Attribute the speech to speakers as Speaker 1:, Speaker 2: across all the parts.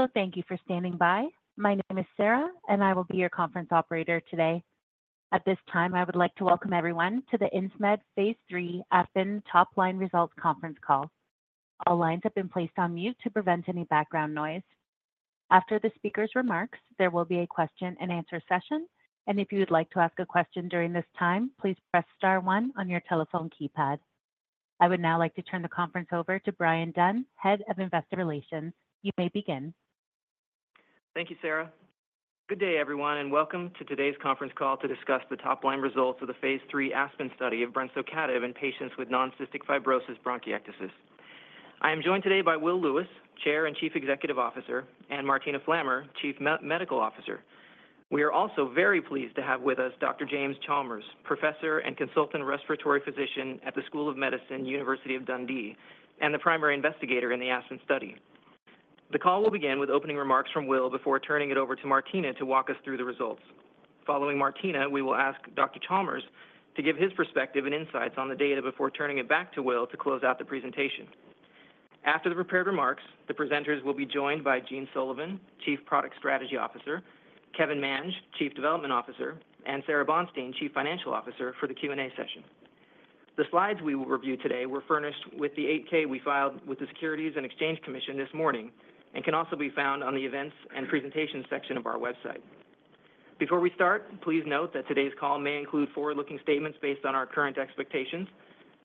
Speaker 1: Hello, thank you for standing by. My name is Sara, and I will be your conference operator today. At this time, I would like to welcome everyone to the Insmed Phase III ASPEN Top Line Results Conference Call. All lines have been placed on mute to prevent any background noise. After the speaker's remarks, there will be a question-and-answer session, and if you would like to ask a question during this time, please press star one on your telephone keypad. I would now like to turn the conference over to Brian Dunn, Head of Investor Relations. You may begin.
Speaker 2: Thank you, Sara. Good day, everyone, and welcome to today's conference call to discuss the top-line results of the phase III ASPEN study of brensocatib in patients with non-cystic fibrosis bronchiectasis. I am joined today by Will Lewis, Chair and Chief Executive Officer, and Martina Flammer, Chief Medical Officer. We are also very pleased to have with us Dr. James Chalmers, professor and consultant respiratory physician at the School of Medicine, University of Dundee, and the primary investigator in the ASPEN study. The call will begin with opening remarks from Will before turning it over to Martina to walk us through the results. Following Martina, we will ask Dr. Chalmers to give his perspective and insights on the data before turning it back to Will to close out the presentation. After the prepared remarks, the presenters will be joined by Gene Sullivan, Chief Product Strategy Officer, Kevin Mange, Chief Development Officer, and Sara Bonstein, Chief Financial Officer, for the Q&A session. The slides we will review today were furnished with the 8-K we filed with the Securities and Exchange Commission this morning and can also be found on the Events and Presentations section of our website. Before we start, please note that today's call may include forward-looking statements based on our current expectations.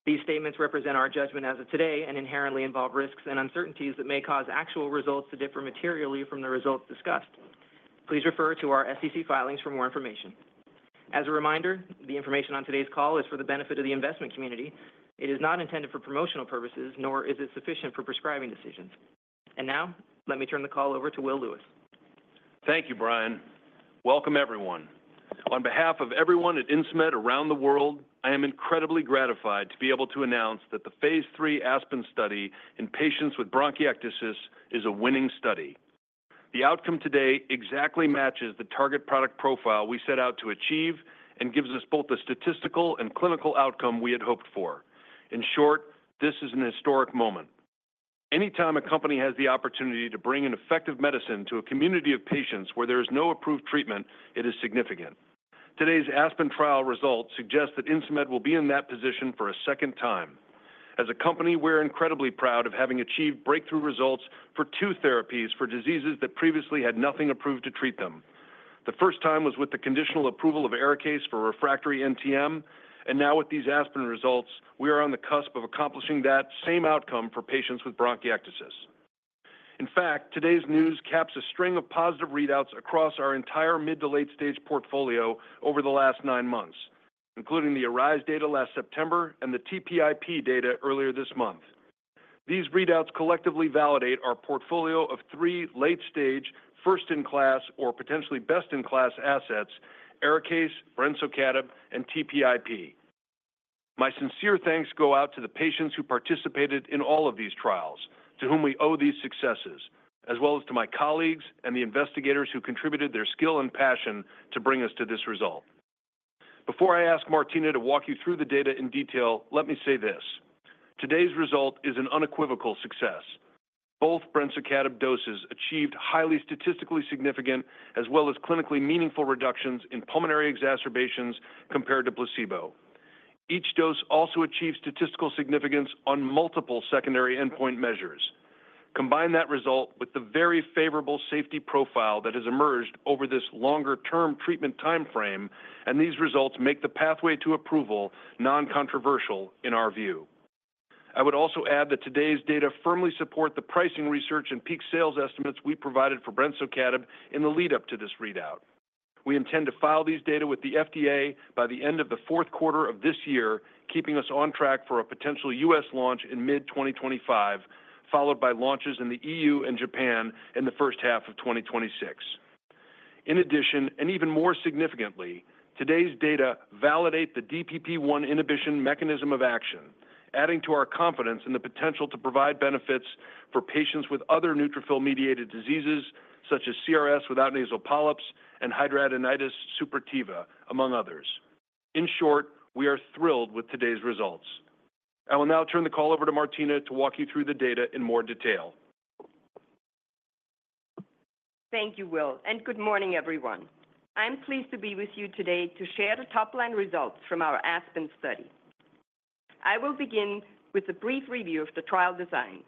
Speaker 2: These statements represent our judgment as of today and inherently involve risks and uncertainties that may cause actual results to differ materially from the results discussed. Please refer to our SEC filings for more information. As a reminder, the information on today's call is for the benefit of the investment community. It is not intended for promotional purposes, nor is it sufficient for prescribing decisions. Now, let me turn the call over to Will Lewis.
Speaker 3: Thank you, Brian. Welcome, everyone. On behalf of everyone at Insmed around the world, I am incredibly gratified to be able to announce that the phase III ASPEN study in patients with bronchiectasis is a winning study. The outcome today exactly matches the target product profile we set out to achieve and gives us both the statistical and clinical outcome we had hoped for. In short, this is an historic moment. Anytime a company has the opportunity to bring an effective medicine to a community of patients where there is no approved treatment, it is significant. Today's ASPEN trial results suggest that Insmed will be in that position for a second time. As a company, we're incredibly proud of having achieved breakthrough results for two therapies for diseases that previously had nothing approved to treat them. The first time was with the conditional approval of ARIKAYCE for refractory NTM, and now with these ASPEN results, we are on the cusp of accomplishing that same outcome for patients with bronchiectasis. In fact, today's news caps a string of positive readouts across our entire mid- to late-stage portfolio over the last nine months, including the ARISE data last September and the TPIP data earlier this month. These readouts collectively validate our portfolio of three late-stage, first-in-class or potentially best-in-class assets, ARIKAYCE, brensocatib, and TPIP. My sincere thanks go out to the patients who participated in all of these trials, to whom we owe these successes, as well as to my colleagues and the investigators who contributed their skill and passion to bring us to this result. Before I ask Martina to walk you through the data in detail, let me say this: Today's result is an unequivocal success. Both brensocatib doses achieved highly statistically significant as well as clinically meaningful reductions in pulmonary exacerbations compared to placebo. Each dose also achieved statistical significance on multiple secondary endpoint measures. Combine that result with the very favorable safety profile that has emerged over this longer-term treatment timeframe, and these results make the pathway to approval non-controversial in our view. I would also add that today's data firmly support the pricing research and peak sales estimates we provided for brensocatib in the lead up to this readout. We intend to file these data with the FDA by the end of the fourth quarter of this year, keeping us on track for a potential U.S. launch in mid-2025, followed by launches in the E.U. and Japan in the first half of 2026. In addition, and even more significantly, today's data validate the DPP1 inhibition mechanism of action, adding to our confidence in the potential to provide benefits for patients with other neutrophil-mediated diseases such as CRS without nasal polyps and hidradenitis suppurativa, among others. In short, we are thrilled with today's results. I will now turn the call over to Martina to walk you through the data in more detail.
Speaker 4: Thank you, Will, and good morning, everyone. I'm pleased to be with you today to share the top-line results from our ASPEN study. I will begin with a brief review of the trial design.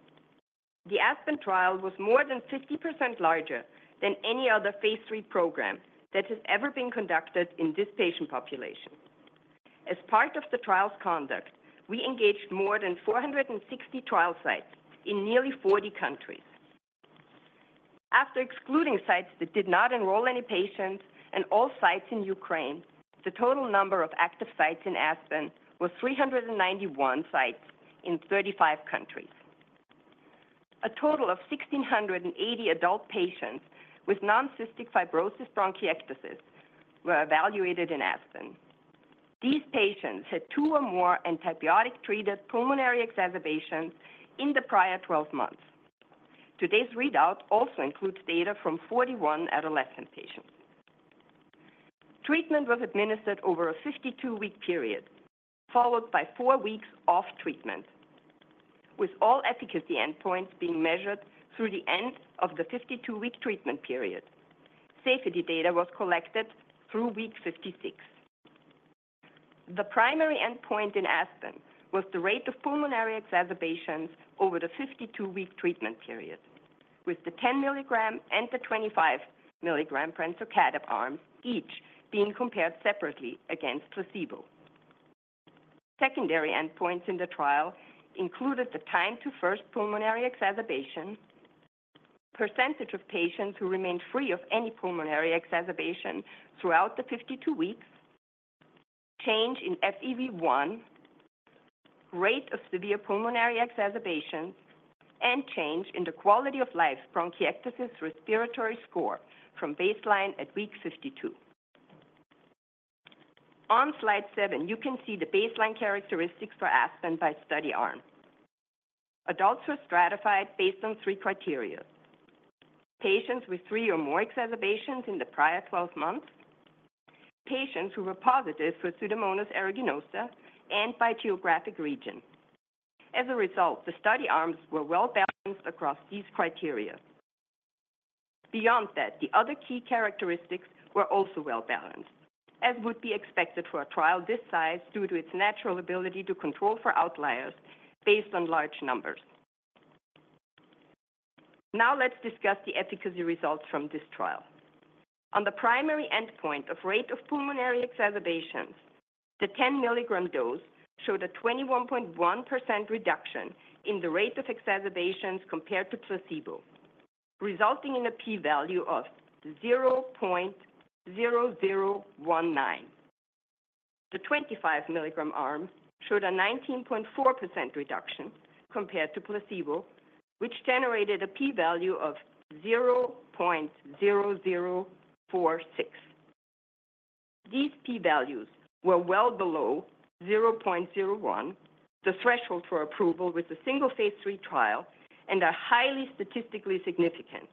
Speaker 4: The ASPEN trial was more than 50% larger than any other phase III program that has ever been conducted in this patient population. As part of the trial's conduct, we engaged more than 460 trial sites in nearly 40 countries. After excluding sites that did not enroll any patients and all sites in Ukraine, the total number of active sites in ASPEN was 391 sites in 35 countries. A total of 1,680 adult patients with non-cystic fibrosis bronchiectasis were evaluated in ASPEN. These patients had 2 or more antibiotic-treated pulmonary exacerbations in the prior 12 months. Today's readout also includes data from 41 adolescent patients. Treatment was administered over a 52-week period, followed by 4 weeks off treatment, with all efficacy endpoints being measured through the end of the 52-week treatment period. Safety data was collected through week 56. The primary endpoint in ASPEN was the rate of pulmonary exacerbations over the 52-week treatment period, with the 10 mg and the 25 mg brensocatib arms each being compared separately against placebo. Secondary endpoints in the trial included the time to first pulmonary exacerbation, percentage of patients who remained free of any pulmonary exacerbation throughout the 52 weeks, change in FEV1, rate of severe pulmonary exacerbations, and change in the quality of life, bronchiectasis respiratory score from baseline at week 52. On slide 7, you can see the baseline characteristics for ASPEN by study arm. Adults were stratified based on 3 criteria. Patients with 3 or more exacerbations in the prior 12 months, patients who were positive for Pseudomonas aeruginosa, and by geographic region. As a result, the study arms were well-balanced across these criteria. Beyond that, the other key characteristics were also well-balanced, as would be expected for a trial this size, due to its natural ability to control for outliers based on large numbers. Now, let's discuss the efficacy results from this trial. On the primary endpoint of rate of pulmonary exacerbations, the 10-mg dose showed a 21.1% reduction in the rate of exacerbations compared to placebo, resulting in a p-value of 0.0019. The 25-mg arm showed a 19.4% reduction compared to placebo, which generated a p-value of 0.0046. These p-values were well below 0.01, the threshold for approval with a single phase 3 trial and are highly statistically significant.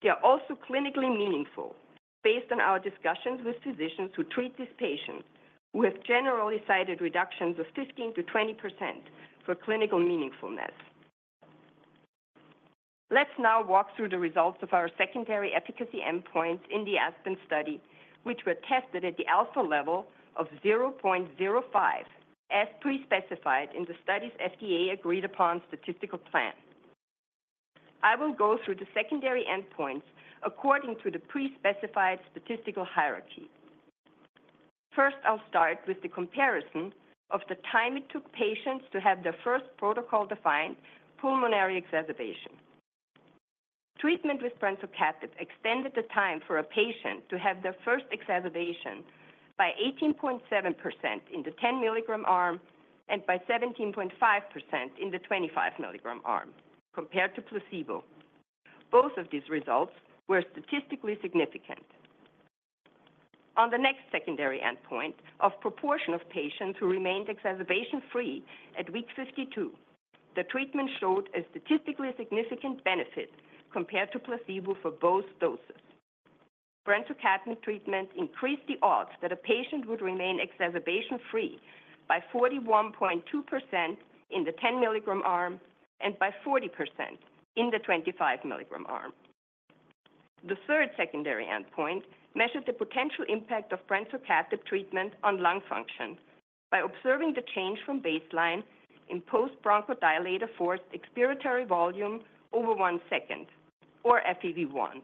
Speaker 4: They are also clinically meaningful based on our discussions with physicians who treat these patients, who have generally cited reductions of 15%-20% for clinical meaningfulness. Let's now walk through the results of our secondary efficacy endpoints in the ASPEN study, which were tested at the alpha level of 0.05, as pre-specified in the study's FDA agreed upon statistical plan. I will go through the secondary endpoints according to the pre-specified statistical hierarchy. First, I'll start with the comparison of the time it took patients to have their first protocol-defined pulmonary exacerbation. Treatment with brensocatib extended the time for a patient to have their first exacerbation by 18.7% in the 10-mg arm and by 17.5% in the 25-mg arm, compared to placebo. Both of these results were statistically significant. On the next secondary endpoint of proportion of patients who remained exacerbation-free at week 52, the treatment showed a statistically significant benefit compared to placebo for both doses. brensocatib treatment increased the odds that a patient would remain exacerbation-free by 41.2% in the 10-mg arm and by 40% in the 25-mg arm. The third secondary endpoint measured the potential impact of brensocatib treatment on lung function by observing the change from baseline in post-bronchodilator forced expiratory volume over 1 second, or FEV1.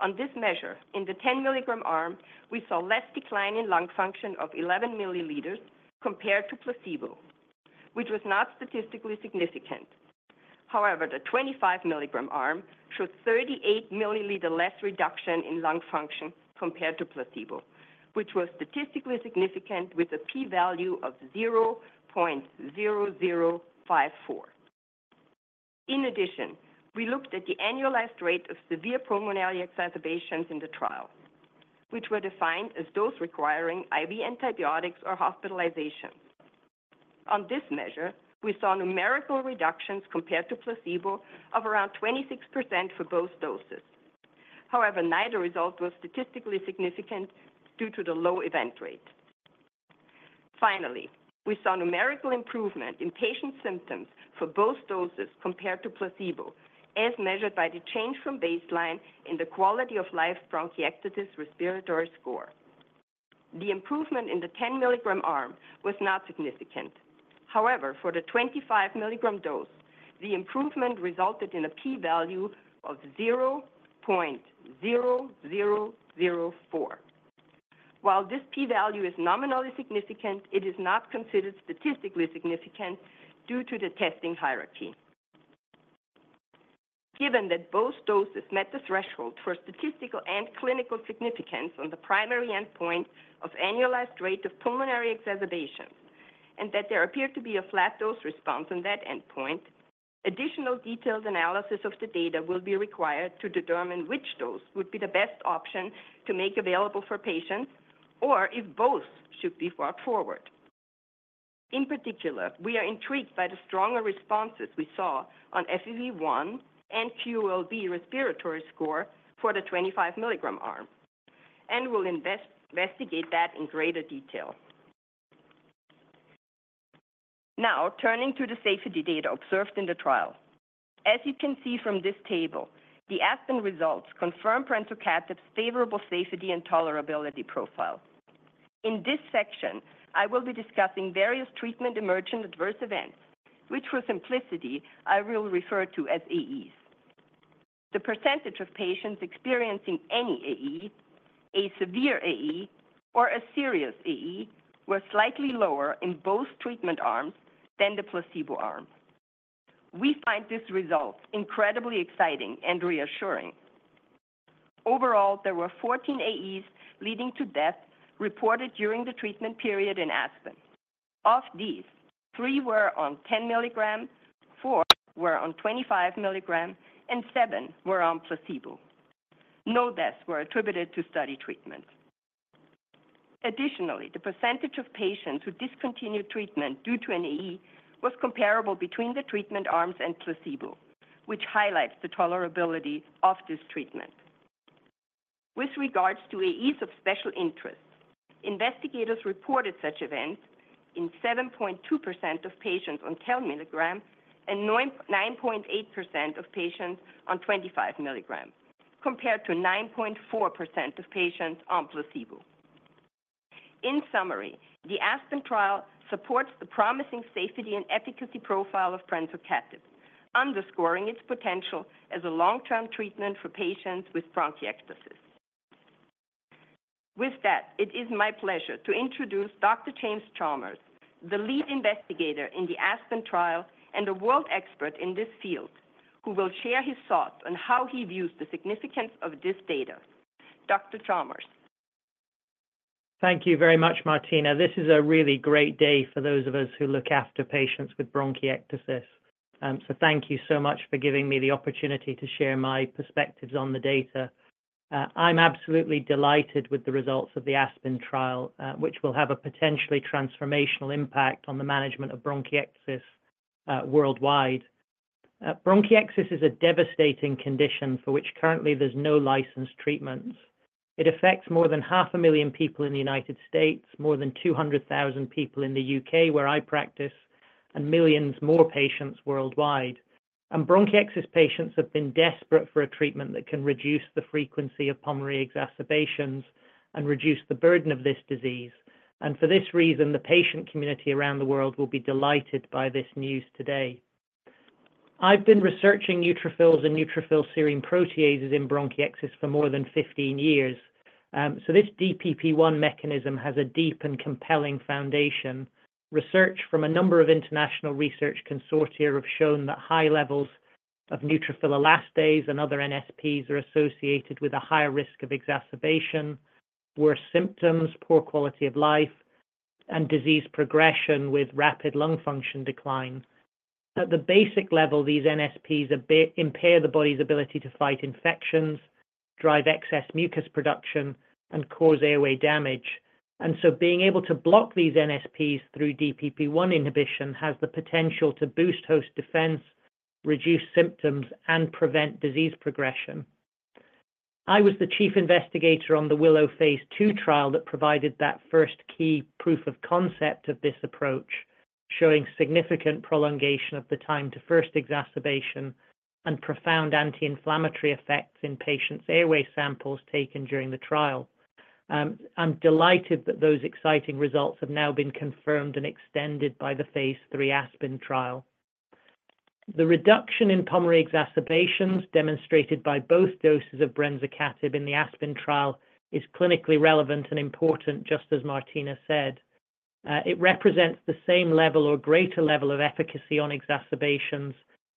Speaker 4: On this measure, in the 10-mg arm, we saw less decline in lung function of 11 mL compared to placebo, which was not statistically significant. However, the 25 mg arm showed 38 mL less reduction in lung function compared to placebo, which was statistically significant with a p-value of 0.0054. In addition, we looked at the annualized rate of severe pulmonary exacerbations in the trial, which were defined as those requiring IV antibiotics or hospitalization. On this measure, we saw numerical reductions compared to placebo of around 26% for both doses. However, neither result was statistically significant due to the low event rate. Finally, we saw numerical improvement in patient symptoms for both doses compared to placebo, as measured by the change from baseline in the quality of life bronchiectasis respiratory score. The improvement in the 10-mg arm was not significant. However, for the 25-mg dose, the improvement resulted in a p-value of 0.0004. While this p-value is nominally significant, it is not considered statistically significant due to the testing hierarchy. Given that both doses met the threshold for statistical and clinical significance on the primary endpoint of annualized rate of pulmonary exacerbations, and that there appeared to be a flat dose response on that endpoint, additional detailed analysis of the data will be required to determine which dose would be the best option to make available for patients or if both should be brought forward. In particular, we are intrigued by the stronger responses we saw on FEV1 and QOL-B respiratory score for the 25-mg arm, and we'll investigate that in greater detail. Now, turning to the safety data observed in the trial. As you can see from this table, the ASPEN results confirm brensocatib's favorable safety and tolerability profile. In this section, I will be discussing various treatment-emergent adverse events, which for simplicity, I will refer to as AEs. The percentage of patients experiencing any AE, a severe AE, or a serious AE, were slightly lower in both treatment arms than the placebo arm. We find this result incredibly exciting and reassuring. Overall, there were 14 AEs leading to death reported during the treatment period in ASPEN. Of these, 3 were on 10 mg, 4 were on 25 mg, and 7 were on placebo. No deaths were attributed to study treatments. Additionally, the percentage of patients who discontinued treatment due to an AE was comparable between the treatment arms and placebo, which highlights the tolerability of this treatment. With regards to AEs of special interest, investigators reported such events in 7.2% of patients on 10 mg and 9.8% of patients on 25 mg, compared to 9.4% of patients on placebo. In summary, the ASPEN trial supports the promising safety and efficacy profile of brensocatib, underscoring its potential as a long-term treatment for patients with bronchiectasis. With that, it is my pleasure to introduce Dr. James Chalmers, the lead investigator in the ASPEN trial and a world expert in this field, who will share his thoughts on how he views the significance of this data. Dr. Chalmers?
Speaker 5: Thank you very much, Martina. This is a really great day for those of us who look after patients with bronchiectasis. So thank you so much for giving me the opportunity to share my perspectives on the data. I'm absolutely delighted with the results of the ASPEN trial, which will have a potentially transformational impact on the management of bronchiectasis worldwide. Bronchiectasis is a devastating condition for which currently there's no licensed treatments. It affects more than 500,000 people in the United States, more than 200,000 people in the U.K., where I practice, and millions more patients worldwide. Bronchiectasis patients have been desperate for a treatment that can reduce the frequency of pulmonary exacerbations and reduce the burden of this disease. For this reason, the patient community around the world will be delighted by this news today. I've been researching neutrophils and neutrophil serine proteases in bronchiectasis for more than 15 years. So this DPP1 mechanism has a deep and compelling foundation. Research from a number of international research consortia have shown that high levels of neutrophil elastase and other NSPs are associated with a higher risk of exacerbation, worse symptoms, poor quality of life, and disease progression with rapid lung function decline. At the basic level, these NSPs impair the body's ability to fight infections, drive excess mucus production, and cause airway damage. And so being able to block these NSPs through DPP1 inhibition has the potential to boost host defense, reduce symptoms, and prevent disease progression. I was the chief investigator on the WILLOW Phase II trial that provided that first key proof of concept of this approach, showing significant prolongation of the time to first exacerbation and profound anti-inflammatory effects in patients' airway samples taken during the trial. I'm delighted that those exciting results have now been confirmed and extended by the Phase III ASPEN trial. The reduction in pulmonary exacerbations demonstrated by both doses of brensocatib in the ASPEN trial is clinically relevant and important, just as Martina said. It represents the same level or greater level of efficacy on exacerbations,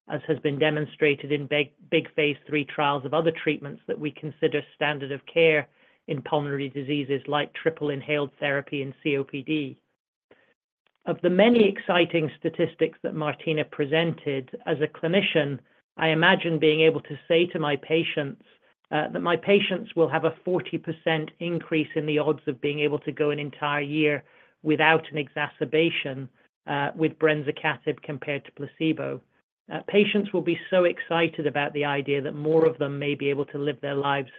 Speaker 5: as has been demonstrated in big, big Phase III trials of other treatments that we consider standard of care in pulmonary diseases like triple inhaled therapy and COPD. Of the many exciting statistics that Martina presented, as a clinician, I imagine being able to say to my patients, that my patients will have a 40% increase in the odds of being able to go an entire year without an exacerbation, with brensocatib compared to placebo. Patients will be so excited about the idea that more of them may be able to live their lives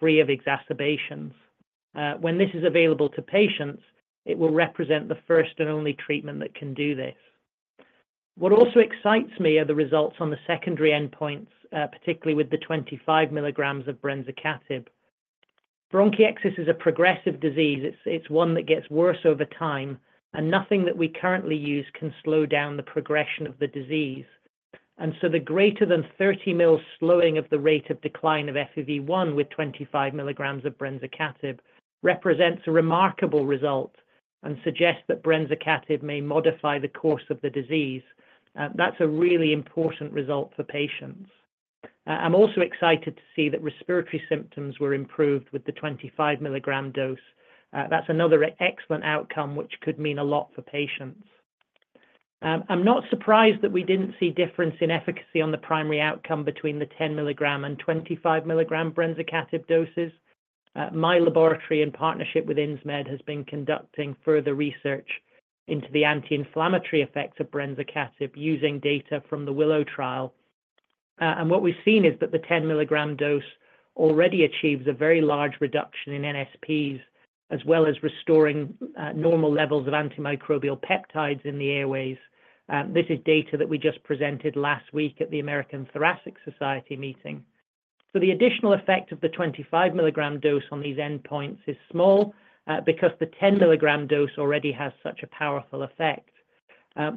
Speaker 5: free of exacerbations. When this is available to patients, it will represent the first and only treatment that can do this. What also excites me are the results on the secondary endpoints, particularly with the 25 mg of brensocatib. Bronchiectasis is a progressive disease. It's one that gets worse over time, and nothing that we currently use can slow down the progression of the disease. The greater than 30 mL slowing of the rate of decline of FEV1 with 25 mg of brensocatib represents a remarkable result and suggests that brensocatib may modify the course of the disease. That's a really important result for patients. I'm also excited to see that respiratory symptoms were improved with the 25 mg dose. That's another excellent outcome, which could mean a lot for patients... I'm not surprised that we didn't see difference in efficacy on the primary outcome between the 10 mg and 25 mg brensocatib doses. My laboratory, in partnership with Insmed, has been conducting further research into the anti-inflammatory effects of brensocatib using data from the WILLOW trial. What we've seen is that the 10 mg dose already achieves a very large reduction in NSPs, as well as restoring normal levels of antimicrobial peptides in the airways. This is data that we just presented last week at the American Thoracic Society meeting. So the additional effect of the 25 mg dose on these endpoints is small, because the 10 mg dose already has such a powerful effect.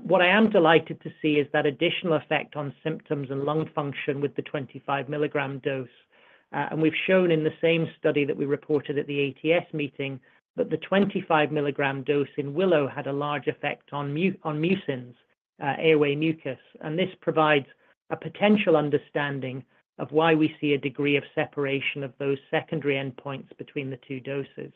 Speaker 5: What I am delighted to see is that additional effect on symptoms and lung function with the 25 mg dose. We've shown in the same study that we reported at the ATS meeting, that the 25 mg dose in WILLOW had a large effect on mucins, airway mucus. This provides a potential understanding of why we see a degree of separation of those secondary endpoints between the two doses.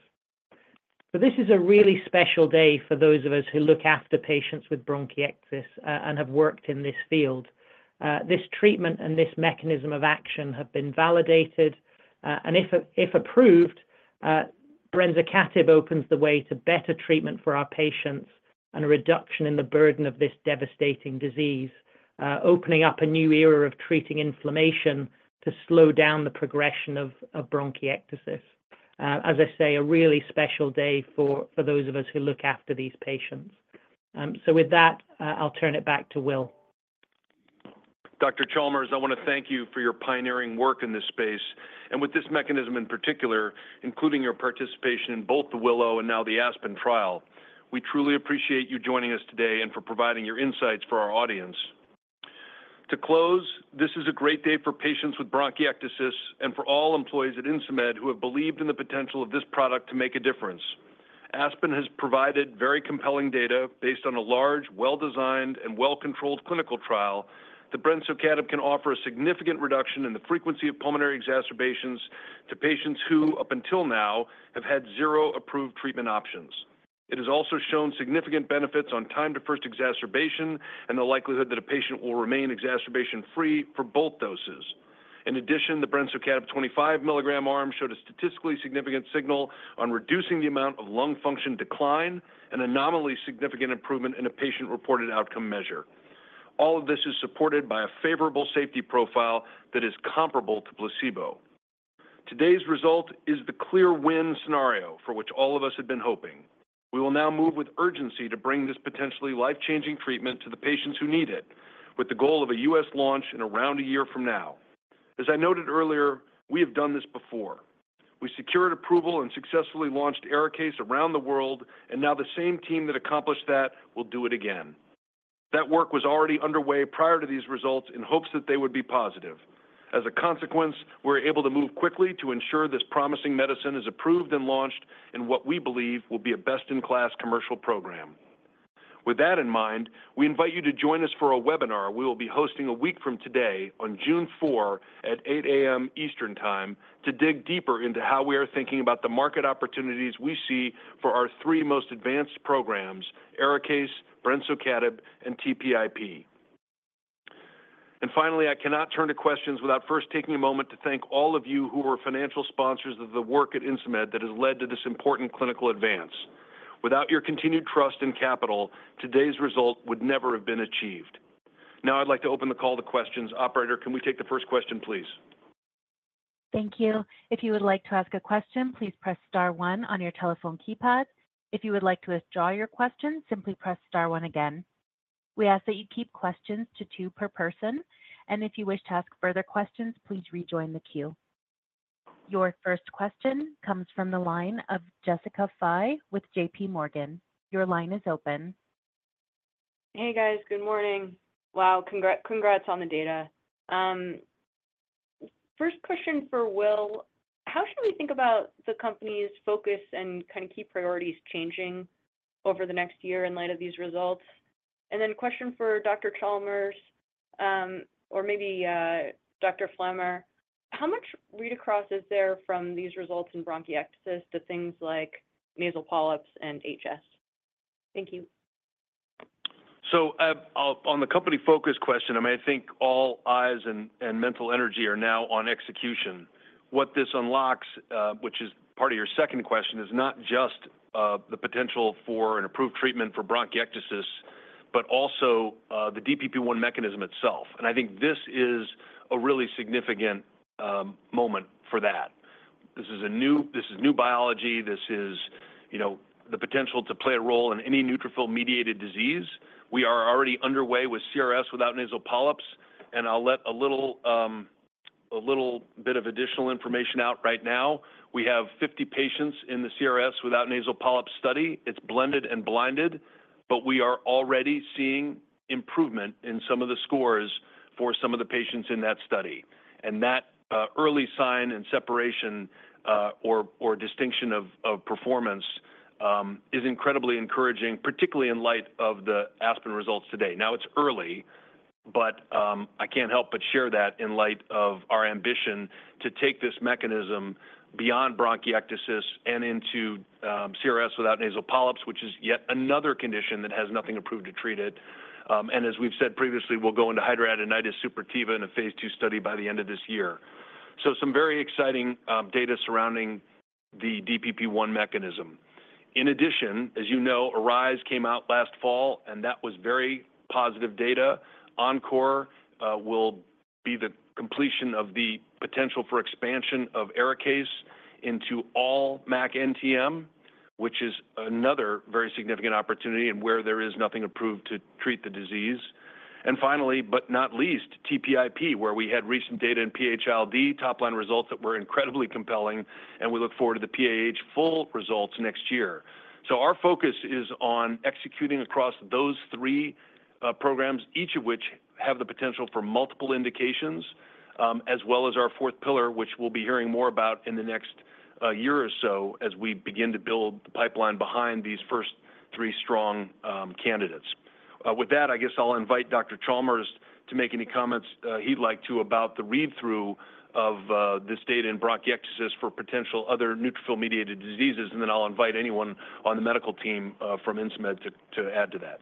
Speaker 5: So this is a really special day for those of us who look after patients with bronchiectasis, and have worked in this field. This treatment and this mechanism of action have been validated, and if approved, brensocatib opens the way to better treatment for our patients and a reduction in the burden of this devastating disease, opening up a new era of treating inflammation to slow down the progression of bronchiectasis. As I say, a really special day for those of us who look after these patients. So with that, I'll turn it back to Will.
Speaker 3: Dr. Chalmers, I want to thank you for your pioneering work in this space and with this mechanism in particular, including your participation in both the Willow and now the ASPEN trial. We truly appreciate you joining us today and for providing your insights for our audience. To close, this is a great day for patients with bronchiectasis and for all employees at Insmed who have believed in the potential of this product to make a difference. ASPEN has provided very compelling data based on a large, well-designed, and well-controlled clinical trial, that brensocatib can offer a significant reduction in the frequency of pulmonary exacerbations to patients who, up until now, have had zero approved treatment options. It has also shown significant benefits on time to first exacerbation and the likelihood that a patient will remain exacerbation-free for both doses. In addition, the brensocatib 25 mg arm showed a statistically significant signal on reducing the amount of lung function decline and a nominally significant improvement in a patient-reported outcome measure. All of this is supported by a favorable safety profile that is comparable to placebo. Today's result is the clear win scenario for which all of us had been hoping. We will now move with urgency to bring this potentially life-changing treatment to the patients who need it, with the goal of a U.S. launch in around a year from now. As I noted earlier, we have done this before. We secured approval and successfully launched ARIKAYCE around the world, and now the same team that accomplished that will do it again. That work was already underway prior to these results in hopes that they would be positive. As a consequence, we're able to move quickly to ensure this promising medicine is approved and launched in what we believe will be a best-in-class commercial program. With that in mind, we invite you to join us for a webinar we will be hosting a week from today on June 4 at 8:00 A.M. Eastern Time, to dig deeper into how we are thinking about the market opportunities we see for our three most advanced programs, ARIKAYCE, brensocatib, and TPIP. And finally, I cannot turn to questions without first taking a moment to thank all of you who were financial sponsors of the work at Insmed that has led to this important clinical advance. Without your continued trust in capital, today's result would never have been achieved. Now, I'd like to open the call to questions. Operator, can we take the first question, please?
Speaker 1: Thank you. If you would like to ask a question, please press star one on your telephone keypad. If you would like to withdraw your question, simply press star one again. We ask that you keep questions to two per person, and if you wish to ask further questions, please rejoin the queue. Your first question comes from the line of Jessica Fye with J.P. Morgan. Your line is open.
Speaker 6: Hey, guys. Good morning. Wow, congrats on the data. First question for Will: How should we think about the company's focus and kind of key priorities changing over the next year in light of these results? And then question for Dr. Chalmers, or maybe Dr. Flammer. How much read-across is there from these results in bronchiectasis to things like nasal polyps and HS? Thank you.
Speaker 3: So, on the company focus question, I mean, I think all eyes and mental energy are now on execution. What this unlocks, which is part of your second question, is not just the potential for an approved treatment for bronchiectasis, but also the DPP1 mechanism itself. And I think this is a really significant moment for that. This is a new- this is new biology. This is, you know, the potential to play a role in any neutrophil-mediated disease. We are already underway with CRS without nasal polyps, and I'll let a little bit of additional information out right now. We have 50 patients in the CRS without nasal polyps study. It's blended and blinded, but we are already seeing improvement in some of the scores for some of the patients in that study. And that early sign and separation or distinction of performance is incredibly encouraging, particularly in light of the ASPEN results today. Now, it's early, but I can't help but share that in light of our ambition to take this mechanism beyond bronchiectasis and into CRS without nasal polyps, which is yet another condition that has nothing approved to treat it. And as we've said previously, we'll go into hidradenitis suppurativa in a Phase 2 study by the end of this year. So some very exciting data surrounding the DPP1 mechanism. In addition, as you know, ARISE came out last fall, and that was very positive data. ENCORE will be the completion of the potential for expansion of ARIKAYCE into all MAC-NTM, which is another very significant opportunity and where there is nothing approved to treat the disease. And finally, but not least, TPIP, where we had recent data in PH-ILD, top-line results that were incredibly compelling, and we look forward to the PAH full results next year. So our focus is on executing across those three programs, each of which have the potential for multiple indications, as well as our fourth pillar, which we'll be hearing more about in the next year or so as we begin to build the pipeline behind these first three strong candidates. With that, I guess I'll invite Dr. Chalmers to make any comments he'd like to about the read-through of this data in bronchiectasis for potential other neutrophil-mediated diseases, and then I'll invite anyone on the medical team from Insmed to add to that.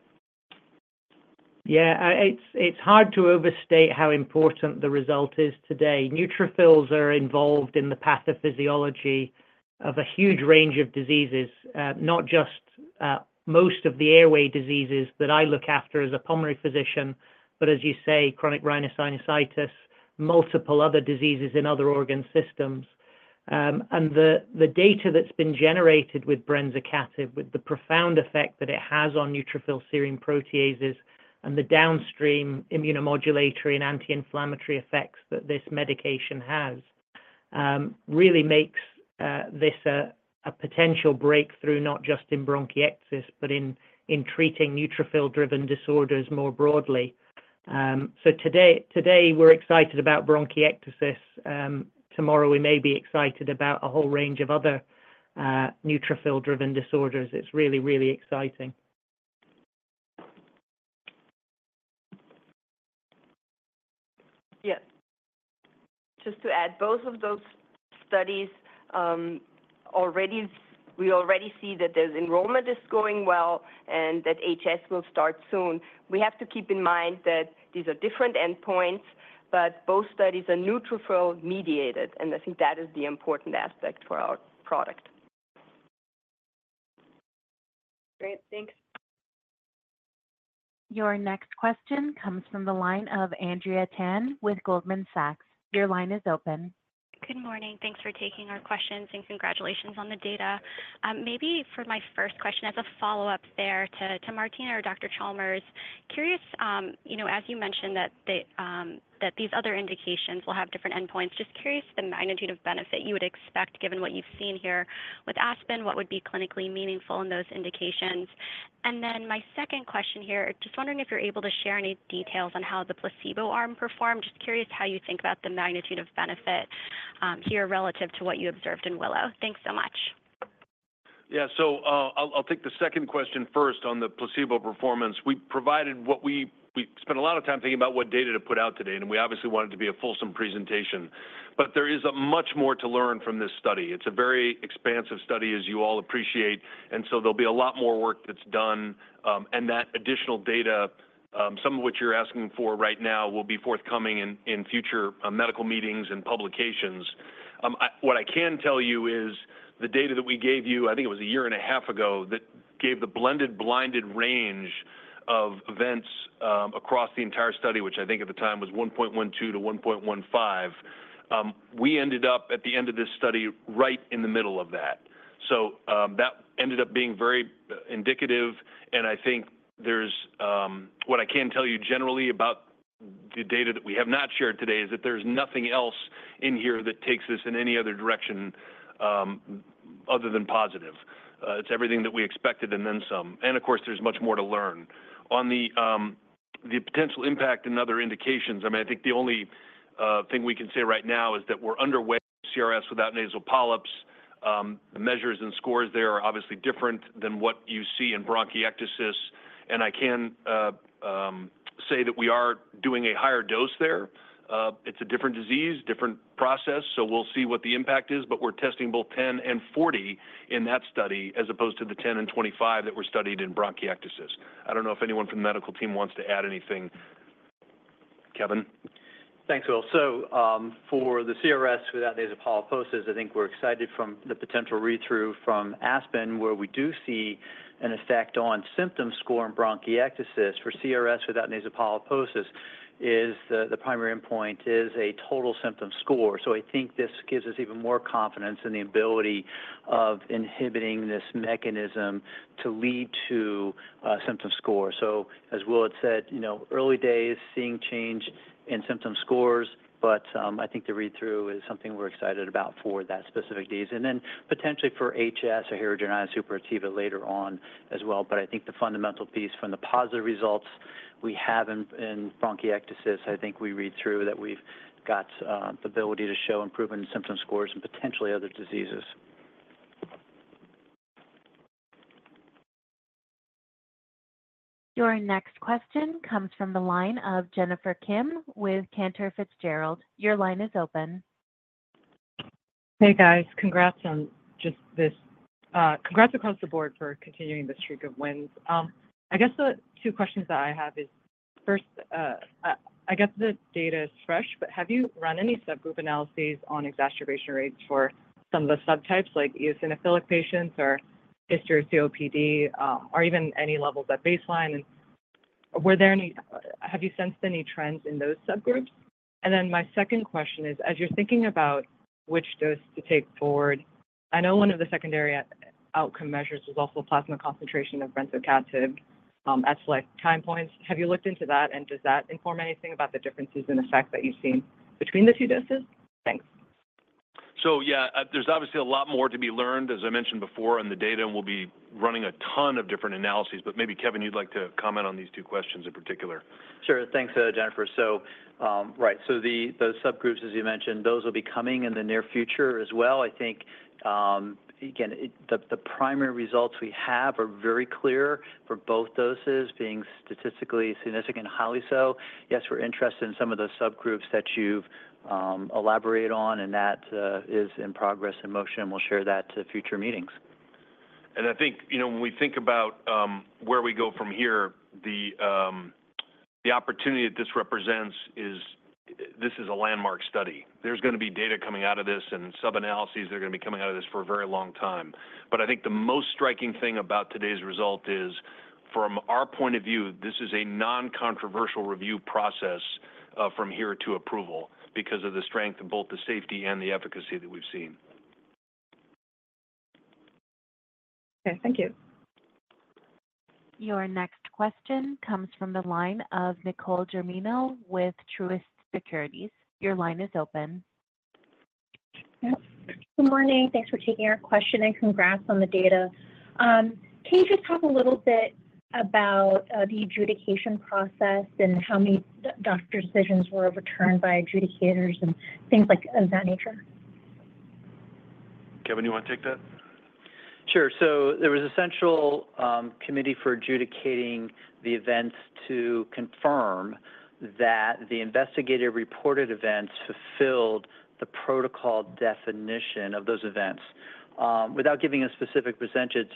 Speaker 5: Yeah, it's hard to overstate how important the result is today. Neutrophils are involved in the pathophysiology of a huge range of diseases, not just most of the airway diseases that I look after as a pulmonary physician, but as you say, chronic rhinosinusitis, multiple other diseases in other organ systems. And the data that's been generated with brensocatib, with the profound effect that it has on neutrophil serine proteases and the downstream immunomodulatory and anti-inflammatory effects that this medication has, really makes this a potential breakthrough, not just in bronchiectasis, but in treating neutrophil-driven disorders more broadly. So today we're excited about bronchiectasis. Tomorrow we may be excited about a whole range of other neutrophil-driven disorders. It's really, really exciting.
Speaker 4: Yeah. Just to add, both of those studies, we already see that there's enrollment is going well and that HS will start soon. We have to keep in mind that these are different endpoints, but both studies are neutrophil-mediated, and I think that is the important aspect for our product.
Speaker 6: Great. Thanks.
Speaker 1: Your next question comes from the line of Andrea Tan with Goldman Sachs. Your line is open.
Speaker 7: Good morning. Thanks for taking our questions, and congratulations on the data. Maybe for my first question, as a follow-up there to Martina or Dr. Chalmers, curious, you know, as you mentioned that these other indications will have different endpoints, just curious the magnitude of benefit you would expect, given what you've seen here with ASPEN, what would be clinically meaningful in those indications? And then my second question here, just wondering if you're able to share any details on how the placebo arm performed. Just curious how you think about the magnitude of benefit here relative to what you observed in WILLOW. Thanks so much.
Speaker 3: Yeah. So, I'll take the second question first on the placebo performance. We provided what we spent a lot of time thinking about what data to put out today, and we obviously wanted it to be a fulsome presentation. But there is a much more to learn from this study. It's a very expansive study, as you all appreciate, and so there'll be a lot more work that's done. And that additional data, some of which you're asking for right now, will be forthcoming in future medical meetings and publications. What I can tell you is the data that we gave you, I think it was a year and a half ago, that gave the blended, blinded range of events across the entire study, which I think at the time was 1.12-1.15. We ended up at the end of this study right in the middle of that. So, that ended up being very indicative, and I think there's... What I can tell you generally about the data that we have not shared today is that there's nothing else in here that takes us in any other direction, other than positive. It's everything that we expected and then some. And of course, there's much more to learn. On the potential impact in other indications, I mean, I think the only thing we can say right now is that we're underway CRS without nasal polyps. The measures and scores there are obviously different than what you see in bronchiectasis, and I can say that we are doing a higher dose there. It's a different disease, different process, so we'll see what the impact is, but we're testing both 10 and 40 in that study, as opposed to the 10 and 25 that were studied in bronchiectasis. I don't know if anyone from the medical team wants to add anything. Kevin?
Speaker 8: Thanks, Will. So, for the CRS without nasal polyposis, I think we're excited from the potential read-through from ASPEN, where we do see an effect on symptom score and bronchiectasis. For CRS without nasal polyposis, the primary endpoint is a total symptom score. So I think this gives us even more confidence in the ability of inhibiting this mechanism to lead to symptom score. So as Will had said, you know, early days, seeing change in symptom scores, but I think the read-through is something we're excited about for that specific disease. And then potentially for HS or hidradenitis suppurativa later on as well. But I think the fundamental piece from the positive results we have in bronchiectasis, I think we read through that we've got the ability to show improvement in symptom scores and potentially other diseases.
Speaker 1: Your next question comes from the line of Jennifer Kim with Cantor Fitzgerald. Your line is open.
Speaker 9: Hey, guys. Congrats on just this. Congrats across the board for continuing the streak of wins. I guess the two questions that I have is, first, I guess the data is fresh, but have you run any subgroup analyses on exacerbation rates for some of the subtypes, like eosinophilic patients or history of COPD, or even any levels at baseline? And have you sensed any trends in those subgroups? And then my second question is, as you're thinking about which dose to take forward, I know one of the secondary outcome measures was also plasma concentration of brensocatib at select time points. Have you looked into that, and does that inform anything about the differences in effect that you've seen between the two doses? Thanks.
Speaker 3: Yeah, there's obviously a lot more to be learned, as I mentioned before, on the data, and we'll be running a ton of different analyses. Maybe, Kevin, you'd like to comment on these two questions in particular.
Speaker 8: Sure. Thanks, Jennifer. So, right, those subgroups, as you mentioned, will be coming in the near future as well. I think, again, the primary results we have are very clear for both doses being statistically significant, and highly so. Yes, we're interested in some of those subgroups that you've elaborated on, and that is in progress, in motion, and we'll share that to future meetings.
Speaker 3: I think, you know, when we think about where we go from here, the opportunity that this represents is this is a landmark study. There's gonna be data coming out of this, and sub-analyses are gonna be coming out of this for a very long time. But I think the most striking thing about today's result is, from our point of view, this is a non-controversial review process from here to approval because of the strength of both the safety and the efficacy that we've seen.
Speaker 9: Okay. Thank you.
Speaker 1: Your next question comes from the line of Nicole Germino with Truist Securities. Your line is open.
Speaker 10: Yes. Good morning. Thanks for taking our question, and congrats on the data. Can you just talk a little bit about the adjudication process and how many doctor decisions were overturned by adjudicators and things like of that nature?
Speaker 3: Kevin, you want to take that?
Speaker 8: Sure. So there was a central committee for adjudicating the events to confirm that the investigator-reported events fulfilled the protocol definition of those events. Without giving a specific percentage,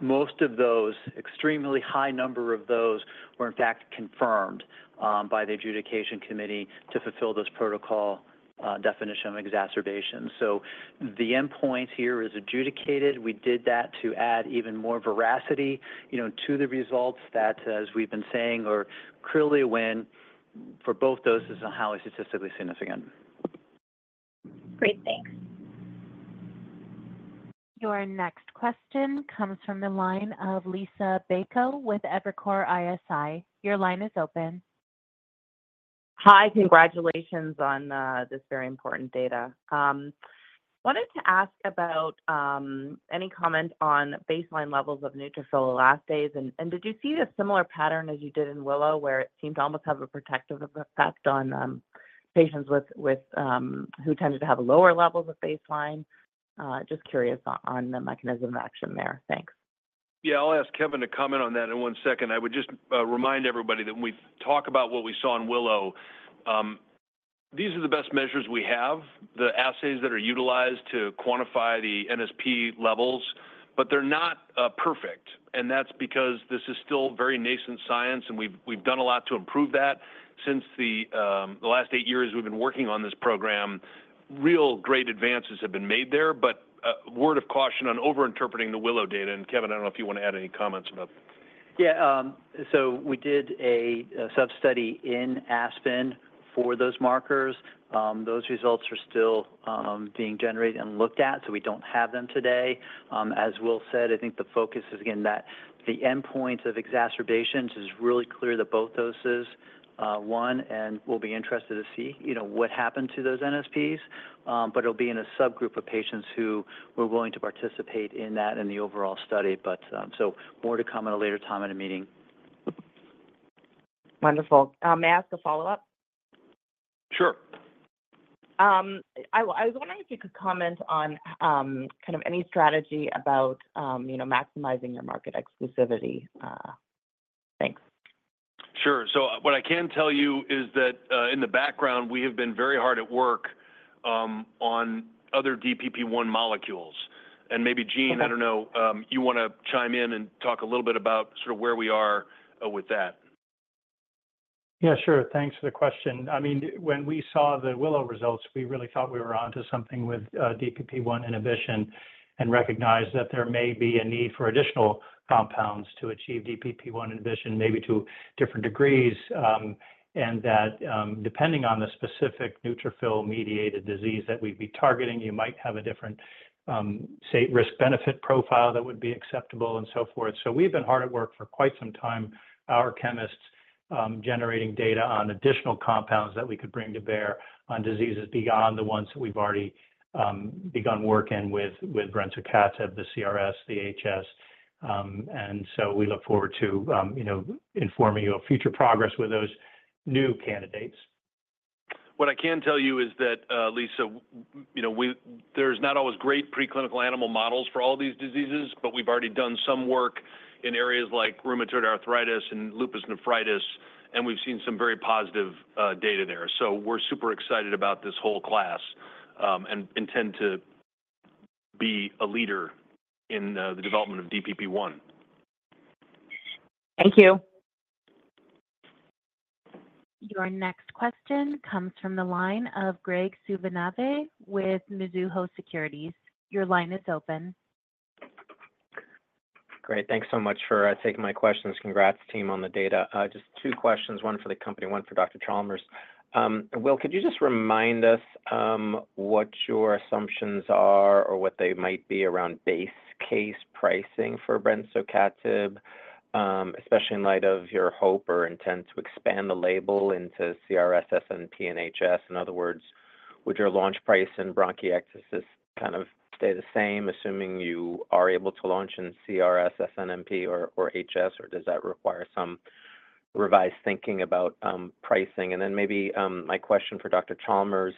Speaker 8: most of those, extremely high number of those, were in fact confirmed by the adjudication committee to fulfill those protocol definition of exacerbation. So the endpoint here is adjudicated. We did that to add even more veracity, you know, to the results that, as we've been saying, are clearly a win for both doses and highly statistically significant.
Speaker 10: Great. Thanks.
Speaker 1: Your next question comes from the line of Liisa Bayko with Evercore ISI. Your line is open.
Speaker 11: Hi. Congratulations on this very important data. Wanted to ask about any comment on baseline levels of neutrophil elastase. And did you see a similar pattern as you did in WILLOW, where it seemed to almost have a protective effect on patients with who tended to have lower levels of baseline? Just curious on the mechanism of action there. Thanks.
Speaker 3: Yeah, I'll ask Kevin to comment on that in one second. I would just remind everybody that when we talk about what we saw in WILLOW, these are the best measures we have, the assays that are utilized to quantify the NSP levels, but they're not perfect. And that's because this is still very nascent science, and we've done a lot to improve that. Since the last eight years we've been working on this program, real great advances have been made there. But word of caution on overinterpreting the WILLOW data, and Kevin, I don't know if you want to add any comments about it.
Speaker 8: Yeah, so we did a substudy in ASPEN for those markers. Those results are still being generated and looked at, so we don't have them today. As Will said, I think the focus is, again, that the endpoint of exacerbations is really clear that both doses won, and we'll be interested to see, you know, what happened to those NSPs. But it'll be in a subgroup of patients who were willing to participate in that in the overall study. So more to come at a later time in a meeting.
Speaker 11: Wonderful. May I ask a follow-up?
Speaker 3: Sure.
Speaker 11: I was wondering if you could comment on kind of any strategy about, you know, maximizing your market exclusivity. Thanks.
Speaker 3: Sure. So what I can tell you is that, in the background, we have been very hard at work, on other DPP1 molecules. And maybe, Gene-
Speaker 8: Okay...
Speaker 3: I don't know, you wanna chime in and talk a little bit about sort of where we are, with that?
Speaker 12: Yeah, sure. Thanks for the question. I mean, when we saw the WILLOW results, we really thought we were onto something with DPP1 inhibition and recognized that there may be a need for additional compounds to achieve DPP1 inhibition, maybe to different degrees. And that, depending on the specific neutrophil-mediated disease that we'd be targeting, you might have a different, say, risk-benefit profile that would be acceptable and so forth. So we've been hard at work for quite some time, our chemists, generating data on additional compounds that we could bring to bear on diseases beyond the ones that we've already begun working with, with brensocatib, the CRS, the HS. And so we look forward to, you know, informing you of future progress with those new candidates....
Speaker 3: What I can tell you is that, Lisa, you know, we, there's not always great preclinical animal models for all these diseases, but we've already done some work in areas like rheumatoid arthritis and lupus nephritis, and we've seen some very positive data there. So we're super excited about this whole class, and intend to be a leader in the development of DPP1.
Speaker 11: Thank you.
Speaker 1: Your next question comes from the line of Graig Suvannavejh with Mizuho Securities. Your line is open.
Speaker 13: Great. Thanks so much for taking my questions. Congrats, team, on the data. Just two questions, one for the company, one for Dr. Chalmers. Will, could you just remind us what your assumptions are or what they might be around base case pricing for brensocatib, especially in light of your hope or intent to expand the label into CRS and HS? In other words, would your launch price and bronchiectasis kind of stay the same, assuming you are able to launch in CRS, NCFB, or HS, or does that require some revised thinking about pricing? And then maybe my question for Dr. Chalmers,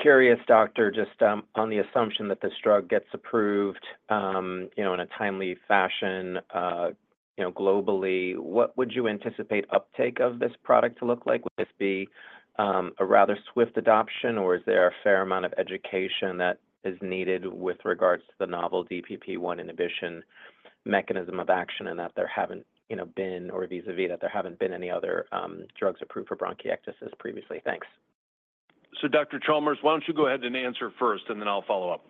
Speaker 13: curious, doctor, just on the assumption that this drug gets approved, you know, in a timely fashion, you know, globally, what would you anticipate uptake of this product to look like? Would this be a rather swift adoption, or is there a fair amount of education that is needed with regards to the novel DPP1 inhibition mechanism of action, and that there haven't, you know, been, or vis-a-vis, that there haven't been any other drugs approved for bronchiectasis previously? Thanks.
Speaker 3: So, Dr. Chalmers, why don't you go ahead and answer first, and then I'll follow up.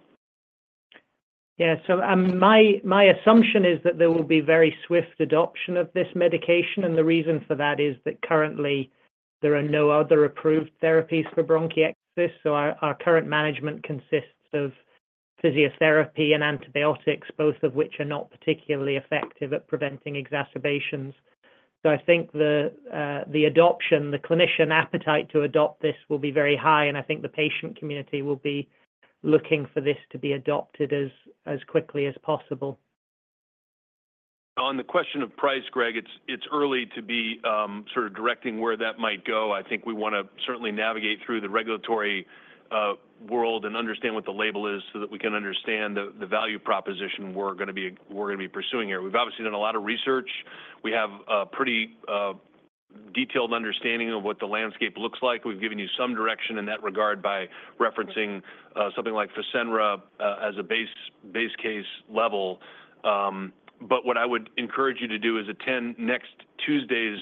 Speaker 5: Yeah. So, my assumption is that there will be very swift adoption of this medication, and the reason for that is that currently there are no other approved therapies for bronchiectasis. So our current management consists of physiotherapy and antibiotics, both of which are not particularly effective at preventing exacerbations. So I think the adoption, the clinician appetite to adopt this will be very high, and I think the patient community will be looking for this to be adopted as quickly as possible.
Speaker 3: On the question of price, Greg, it's early to be sort of directing where that might go. I think we want to certainly navigate through the regulatory world and understand what the label is so that we can understand the value proposition we're going to be pursuing here. We've obviously done a lot of research. We have a pretty detailed understanding of what the landscape looks like. We've given you some direction in that regard by referencing something like Fasenra as a base case level. But what I would encourage you to do is attend next Tuesday's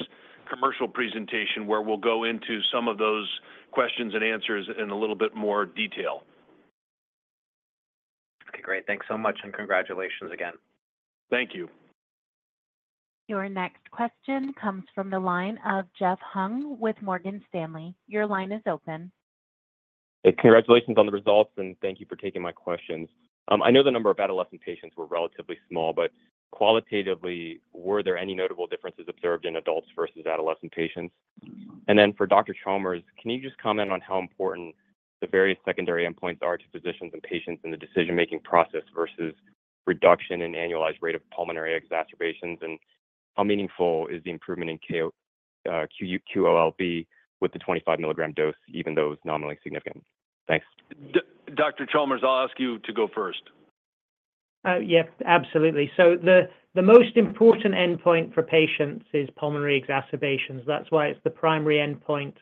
Speaker 3: commercial presentation, where we'll go into some of those questions and answers in a little bit more detail.
Speaker 13: Okay, great. Thanks so much, and congratulations again.
Speaker 3: Thank you.
Speaker 1: Your next question comes from the line of Jeff Hung with Morgan Stanley. Your line is open.
Speaker 14: Hey, congratulations on the results, and thank you for taking my questions. I know the number of adolescent patients were relatively small, but qualitatively, were there any notable differences observed in adults versus adolescent patients? And then for Dr. Chalmers, can you just comment on how important the various secondary endpoints are to physicians and patients in the decision-making process versus reduction in annualized rate of pulmonary exacerbations? And how meaningful is the improvement in QOL-B with the 25 mg dose, even though it's nominally significant? Thanks.
Speaker 3: Dr. Chalmers, I'll ask you to go first.
Speaker 5: Yep, absolutely. So the most important endpoint for patients is pulmonary exacerbations. That's why it's the primary endpoint,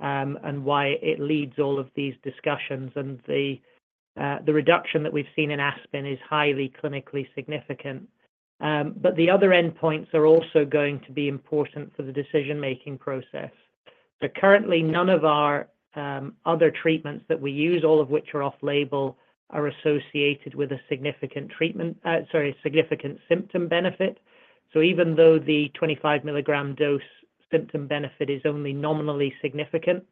Speaker 5: and why it leads all of these discussions, and the reduction that we've seen in ASPEN is highly clinically significant. But the other endpoints are also going to be important for the decision-making process. So currently, none of our other treatments that we use, all of which are off-label, are associated with a significant symptom benefit. So even though the 25 mg dose symptom benefit is only nominally significant,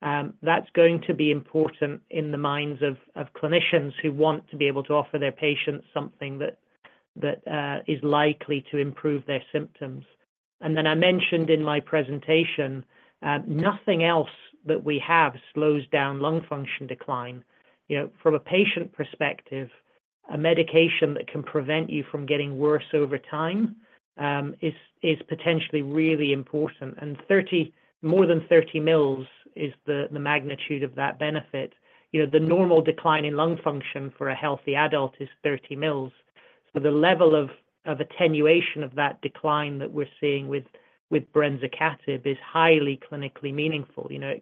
Speaker 5: that's going to be important in the minds of clinicians who want to be able to offer their patients something that is likely to improve their symptoms. And then I mentioned in my presentation, nothing else that we have slows down lung function decline. You know, from a patient perspective, a medication that can prevent you from getting worse over time is potentially really important. Thirty, more than 30 mL is the magnitude of that benefit. You know, the normal decline in lung function for a healthy adult is 30 mL. So the level of attenuation of that decline that we're seeing with brensocatib is highly clinically meaningful. You know,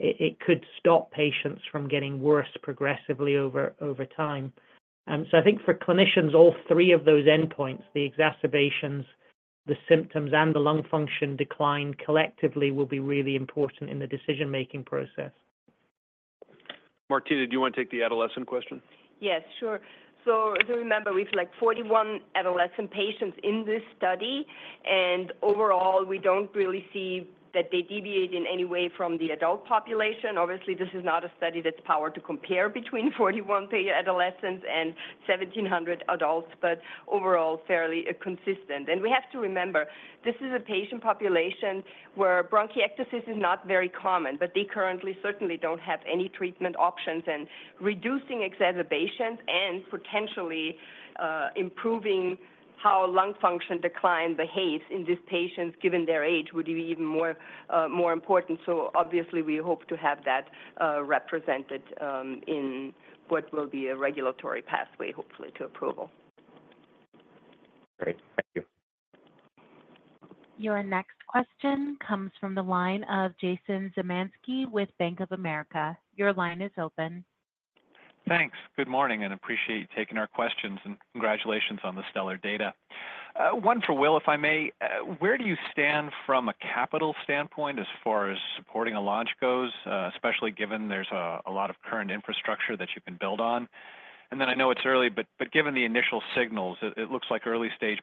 Speaker 5: it could stop patients from getting worse progressively over time. So I think for clinicians, all three of those endpoints, the exacerbations, the symptoms, and the lung function decline collectively will be really important in the decision-making process.
Speaker 3: Martina, do you want to take the adolescent question?
Speaker 4: Yes, sure. So remember, we've, like, 41 adolescent patients in this study, and overall, we don't really see that they deviate in any way from the adult population. Obviously, this is not a study that's powered to compare between 41 adolescents and 1,700 adults, but overall, fairly consistent. And we have to remember, this is a patient population where bronchiectasis is not very common, but they currently certainly don't have any treatment options, and reducing exacerbations and potentially, improving how lung function decline behaves in these patients, given their age, would be even more, more important. So obviously, we hope to have that, represented, in what will be a regulatory pathway, hopefully to approval.
Speaker 14: Great. Thank you....
Speaker 1: Your next question comes from the line of Jason Zemansky with Bank of America. Your line is open.
Speaker 15: Thanks. Good morning, and appreciate you taking our questions, and congratulations on the stellar data. One for Will, if I may. Where do you stand from a capital standpoint as far as supporting a launch goes, especially given there's a lot of current infrastructure that you can build on? And then I know it's early, but given the initial signals, it looks like early-stage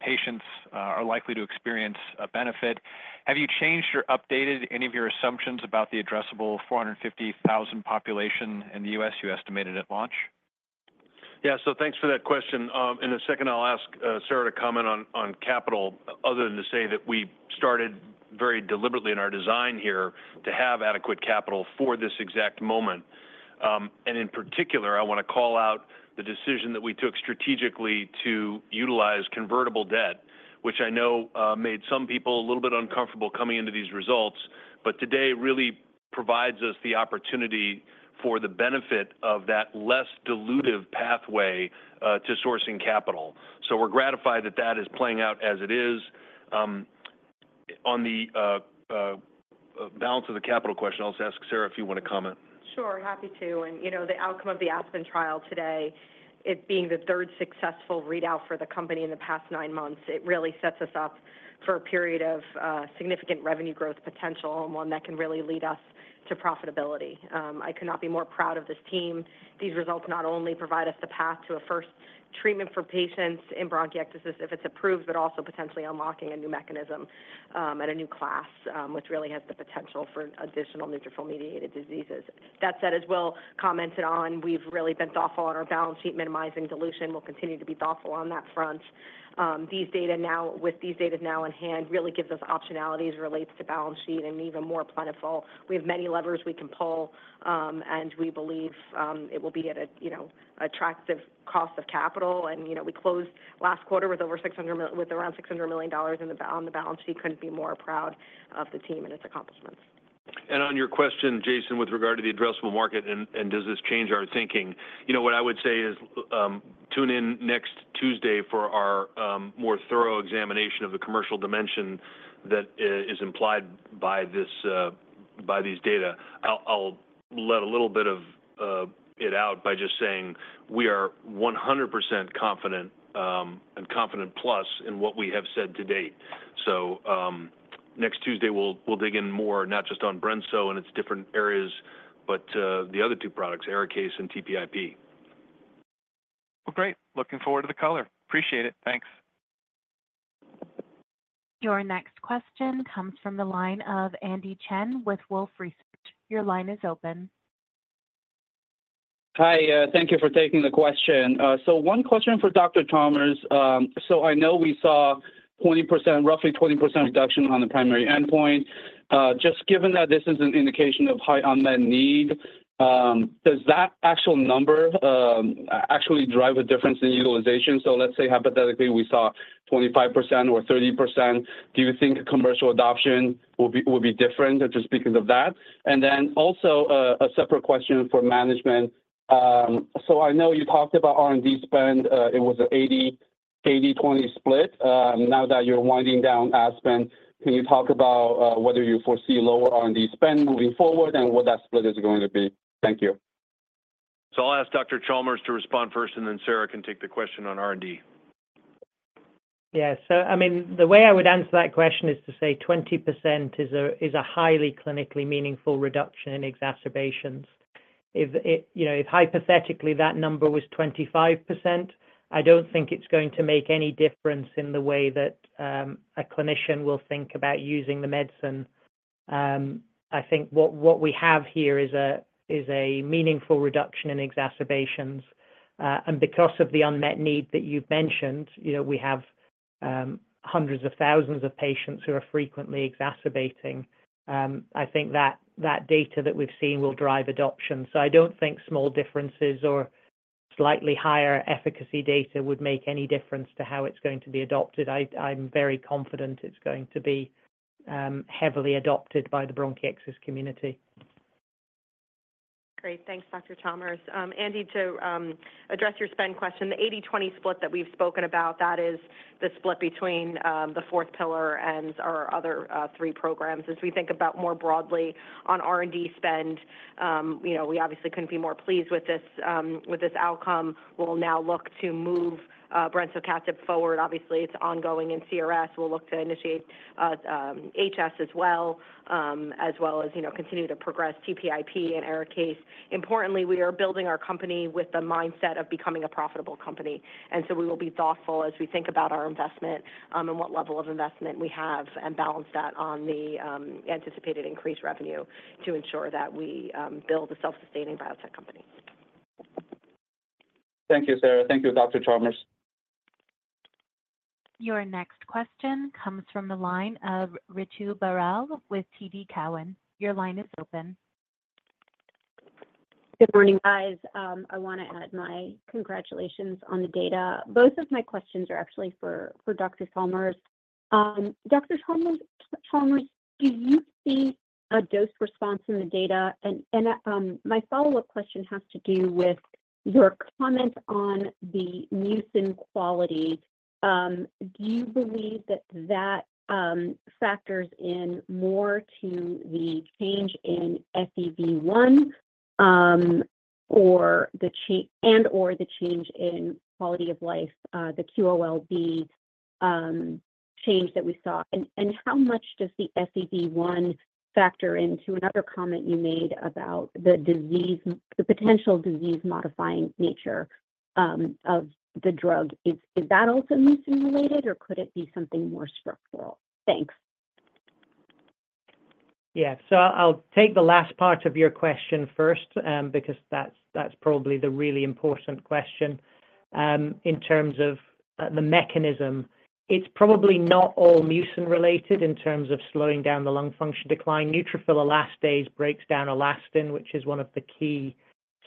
Speaker 15: patients are likely to experience a benefit. Have you changed or updated any of your assumptions about the addressable 450,000 population in the U.S. you estimated at launch?
Speaker 3: Yeah, so thanks for that question. In a second, I'll ask Sara to comment on capital, other than to say that we started very deliberately in our design here to have adequate capital for this exact moment. And in particular, I wanna call out the decision that we took strategically to utilize convertible debt, which I know made some people a little bit uncomfortable coming into these results. But today really provides us the opportunity for the benefit of that less dilutive pathway to sourcing capital. So we're gratified that that is playing out as it is. On the balance of the capital question, I'll just ask Sara if you wanna comment.
Speaker 16: Sure, happy to. And, you know, the outcome of the ASPEN trial today, it being the third successful readout for the company in the past nine months, it really sets us up for a period of significant revenue growth potential, and one that can really lead us to profitability. I could not be more proud of this team. These results not only provide us the path to a first treatment for patients in bronchiectasis, if it's approved, but also potentially unlocking a new mechanism and a new class, which really has the potential for additional neutrophil-mediated diseases. That said, as Will commented on, we've really been thoughtful on our balance sheet, minimizing dilution. We'll continue to be thoughtful on that front. These data now with these data now in hand, really gives us optionality as it relates to balance sheet and even more plentiful. We have many levers we can pull, and we believe it will be at a, you know, attractive cost of capital. You know, we closed last quarter with around $600 million on the balance sheet. Couldn't be more proud of the team and its accomplishments.
Speaker 3: And on your question, Jason, with regard to the addressable market and does this change our thinking? You know, what I would say is, tune in next Tuesday for our more thorough examination of the commercial dimension that is implied by this, by these data. I'll let a little bit of it out by just saying we are 100% confident, and confident plus in what we have said to date. So, next Tuesday, we'll dig in more, not just on brensocatib and its different areas, but the other two products, ARIKAYCE and TPIP.
Speaker 15: Well, great! Looking forward to the color. Appreciate it. Thanks.
Speaker 1: Your next question comes from the line of Andy Chen with Wolfe Research. Your line is open.
Speaker 17: Hi, thank you for taking the question. So one question for Dr. Chalmers. So I know we saw 20%, roughly 20% reduction on the primary endpoint. Just given that this is an indication of high unmet need, does that actual number actually drive a difference in utilization? So let's say, hypothetically, we saw 25% or 30%, do you think commercial adoption will be, will be different just because of that? And then also, a separate question for management. So I know you talked about R&D spend, it was an 80-80-20 split. Now that you're winding down ASPEN, can you talk about whether you foresee lower R&D spend moving forward and what that split is going to be? Thank you.
Speaker 3: I'll ask Dr. Chalmers to respond first, and then Sara can take the question on R&D.
Speaker 5: Yeah. So I mean, the way I would answer that question is to say 20% is a highly clinically meaningful reduction in exacerbations. If it, you know, if hypothetically, that number was 25%, I don't think it's going to make any difference in the way that a clinician will think about using the medicine. I think what we have here is a meaningful reduction in exacerbations, and because of the unmet need that you've mentioned, you know, we have hundreds of thousands of patients who are frequently exacerbating. I think that data that we've seen will drive adoption. So I don't think small differences or slightly higher efficacy data would make any difference to how it's going to be adopted. I'm very confident it's going to be heavily adopted by the bronchiectasis community.
Speaker 16: Great. Thanks, Dr. Chalmers. Andy, to address your spend question, the 80-20 split that we've spoken about, that is the split between the fourth pillar and our other three programs. As we think about more broadly on R&D spend, you know, we obviously couldn't be more pleased with this outcome. We'll now look to move brensocatib forward. Obviously, it's ongoing in CRS. We'll look to initiate HS as well as well as, you know, continue to progress TPIP and ARIKAYCE. Importantly, we are building our company with the mindset of becoming a profitable company, and so we will be thoughtful as we think about our investment and what level of investment we have, and balance that on the anticipated increased revenue to ensure that we build a self-sustaining biotech company.
Speaker 17: Thank you, Sara. Thank you, Dr. Chalmers.
Speaker 1: Your next question comes from the line of Ritu Baral with TD Cowen. Your line is open.
Speaker 18: Good morning, guys. I wanna add my congratulations on the data. Both of my questions are actually for Dr. Chalmers. Dr. Chalmers-... Chalmers, do you see a dose response in the data? And my follow-up question has to do with your comment on the mucin quality. Do you believe that that factors in more to the change in FEV1, or the and/or the change in quality of life, the QOL-B, change that we saw? And how much does the FEV1 factor into another comment you made about the disease, the potential disease-modifying nature of the drug? Is that also mucin-related, or could it be something more structural? Thanks.
Speaker 5: Yeah. So I'll take the last part of your question first, because that's, that's probably the really important question. In terms of the mechanism, it's probably not all mucin-related in terms of slowing down the lung function decline. Neutrophil elastase breaks down elastin, which is one of the key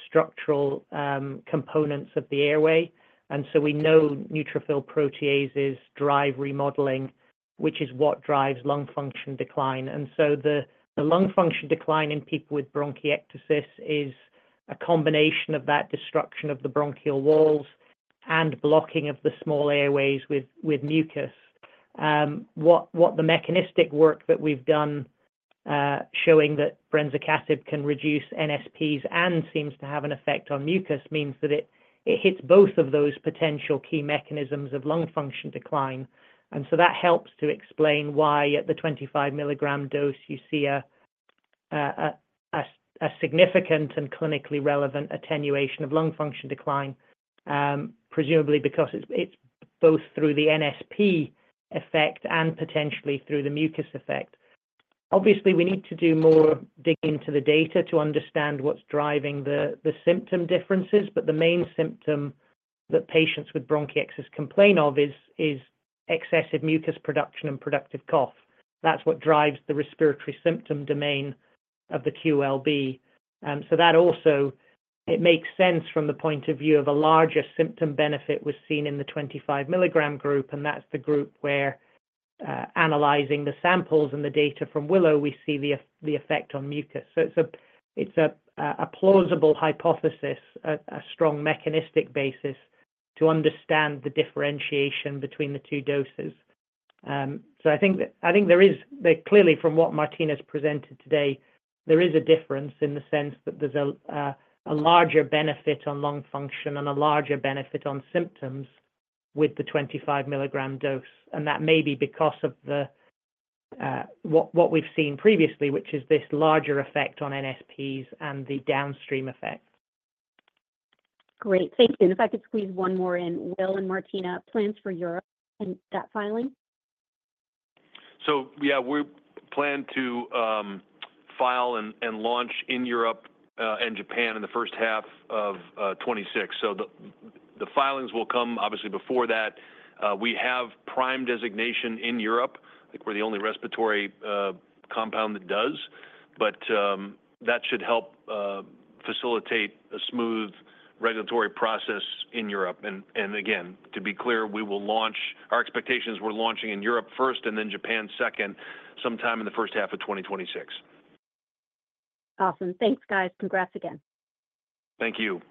Speaker 5: structural components of the airway, and so we know neutrophil proteases drive remodeling, which is what drives lung function decline. And so the lung function decline in people with bronchiectasis is a combination of that destruction of the bronchial walls and blocking of the small airways with mucus. What the mechanistic work that we've done showing that brensocatib can reduce NSPs and seems to have an effect on mucus means that it hits both of those potential key mechanisms of lung function decline. And so that helps to explain why, at the 25 mg dose, you see a significant and clinically relevant attenuation of lung function decline, presumably because it's both through the NSP effect and potentially through the mucus effect. Obviously, we need to do more digging into the data to understand what's driving the symptom differences, but the main symptom that patients with bronchiectasis complain of is excessive mucus production and productive cough. That's what drives the respiratory symptom domain of the QOL-B. So that also makes sense from the point of view of a larger symptom benefit was seen in the 25 mg group, and that's the group where analyzing the samples and the data from WILLOW, we see the effect on mucus. So it's a plausible hypothesis, a strong mechanistic basis to understand the differentiation between the two doses. So I think there is. Clearly, from what Martina's presented today, there is a difference in the sense that there's a larger benefit on lung function and a larger benefit on symptoms with the 25 mg dose, and that may be because of what we've seen previously, which is this larger effect on NSPs and the downstream effects.
Speaker 18: Great. Thank you. And if I could squeeze one more in. Will and Martina, plans for Europe and that filing?
Speaker 3: So yeah, we plan to file and launch in Europe and Japan in the first half of 2026. So the filings will come obviously before that. We have PRIME designation in Europe. I think we're the only respiratory compound that does. But that should help facilitate a smooth regulatory process in Europe. And again, to be clear, we will launch. Our expectation is we're launching in Europe first and then Japan second, sometime in the first half of 2026.
Speaker 18: Awesome. Thanks, guys. Congrats again.
Speaker 3: Thank you.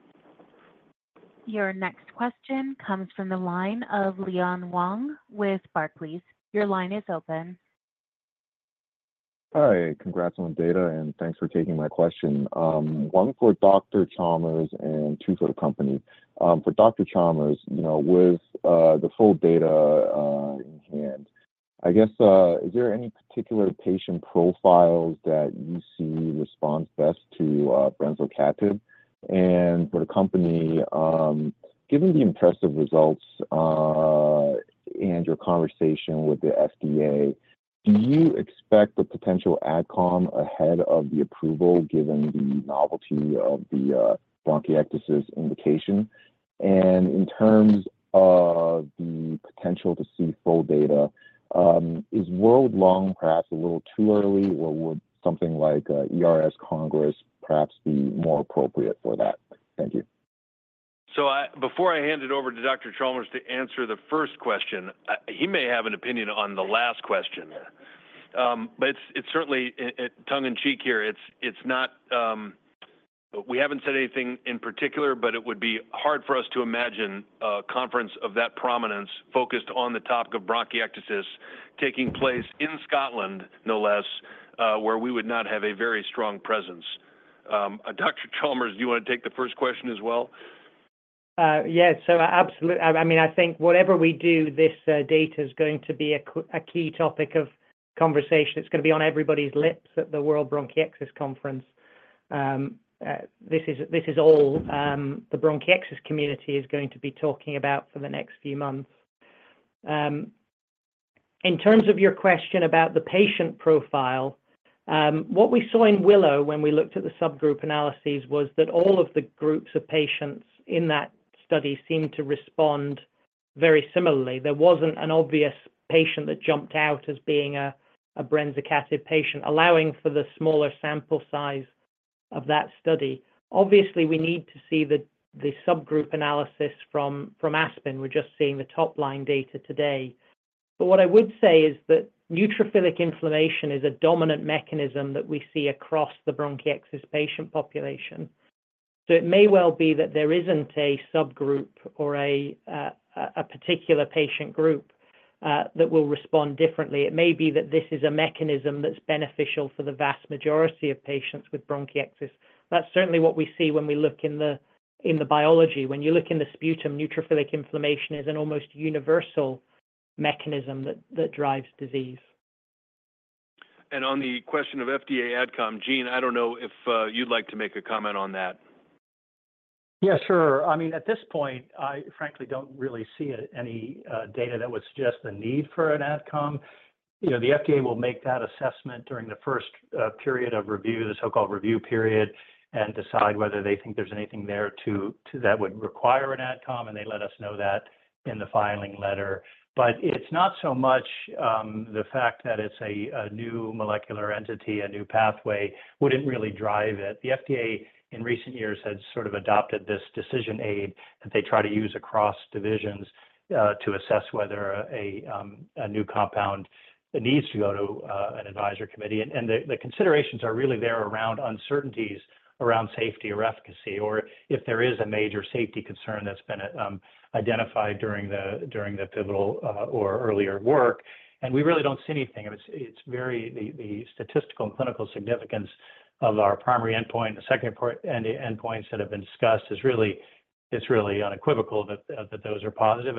Speaker 1: Your next question comes from the line of Leon Wang with Barclays. Your line is open.
Speaker 19: Hi, congrats on the data, and thanks for taking my question. One for Dr. Chalmers and two for the company. For Dr. Chalmers, you know, with the full data in hand, I guess, is there any particular patient profiles that you see responds best to brensocatib? And for the company, given the impressive results and your conversation with the FDA, do you expect a potential AdCom ahead of the approval, given the novelty of the bronchiectasis indication? And in terms of the potential to see full data, is World Lung perhaps a little too early, or would something like ERS Congress perhaps be more appropriate for that? Thank you.
Speaker 3: So before I hand it over to Dr. Chalmers to answer the first question, he may have an opinion on the last question. But it's, it's certainly tongue in cheek here. It's, it's not... We haven't said anything in particular, but it would be hard for us to imagine a conference of that prominence focused on the topic of bronchiectasis taking place in Scotland, no less, where we would not have a very strong presence. Dr. Chalmers, do you want to take the first question as well?
Speaker 5: Yes, so absolutely. I mean, I think whatever we do, this data is going to be a key topic of conversation. It's going to be on everybody's lips at the World Bronchiectasis Conference. This is, this is all, the bronchiectasis community is going to be talking about for the next few months. In terms of your question about the patient profile, what we saw in WILLOW when we looked at the subgroup analyses was that all of the groups of patients in that study seemed to respond very similarly. There wasn't an obvious patient that jumped out as being a brensocatib patient, allowing for the smaller sample size of that study. Obviously, we need to see the subgroup analysis from ASPEN. We're just seeing the top-line data today. But what I would say is that neutrophilic inflammation is a dominant mechanism that we see across the bronchiectasis patient population. So it may well be that there isn't a subgroup or a particular patient group that will respond differently. It may be that this is a mechanism that's beneficial for the vast majority of patients with bronchiectasis. That's certainly what we see when we look in the biology. When you look in the sputum, neutrophilic inflammation is an almost universal mechanism that drives disease.
Speaker 3: On the question of FDA AdCom, Gene, I don't know if you'd like to make a comment on that?
Speaker 12: Yeah, sure. I mean, at this point, I frankly don't really see any data that would suggest the need for an AdCom. You know, the FDA will make that assessment during the first period of review, the so-called review period, and decide whether they think there's anything there to that would require an AdCom, and they let us know that in the filing letter. But it's not so much the fact that it's a new molecular entity, a new pathway, wouldn't really drive it. The FDA, in recent years, has sort of adopted this decision aid that they try to use across divisions to assess whether a new compound needs to go to an advisory committee. The considerations are really there around uncertainties around safety or efficacy, or if there is a major safety concern that's been identified during the pivotal or earlier work, and we really don't see anything. It's very, the statistical and clinical significance of our primary endpoint, the secondary endpoints that have been discussed, is really unequivocal that those are positive.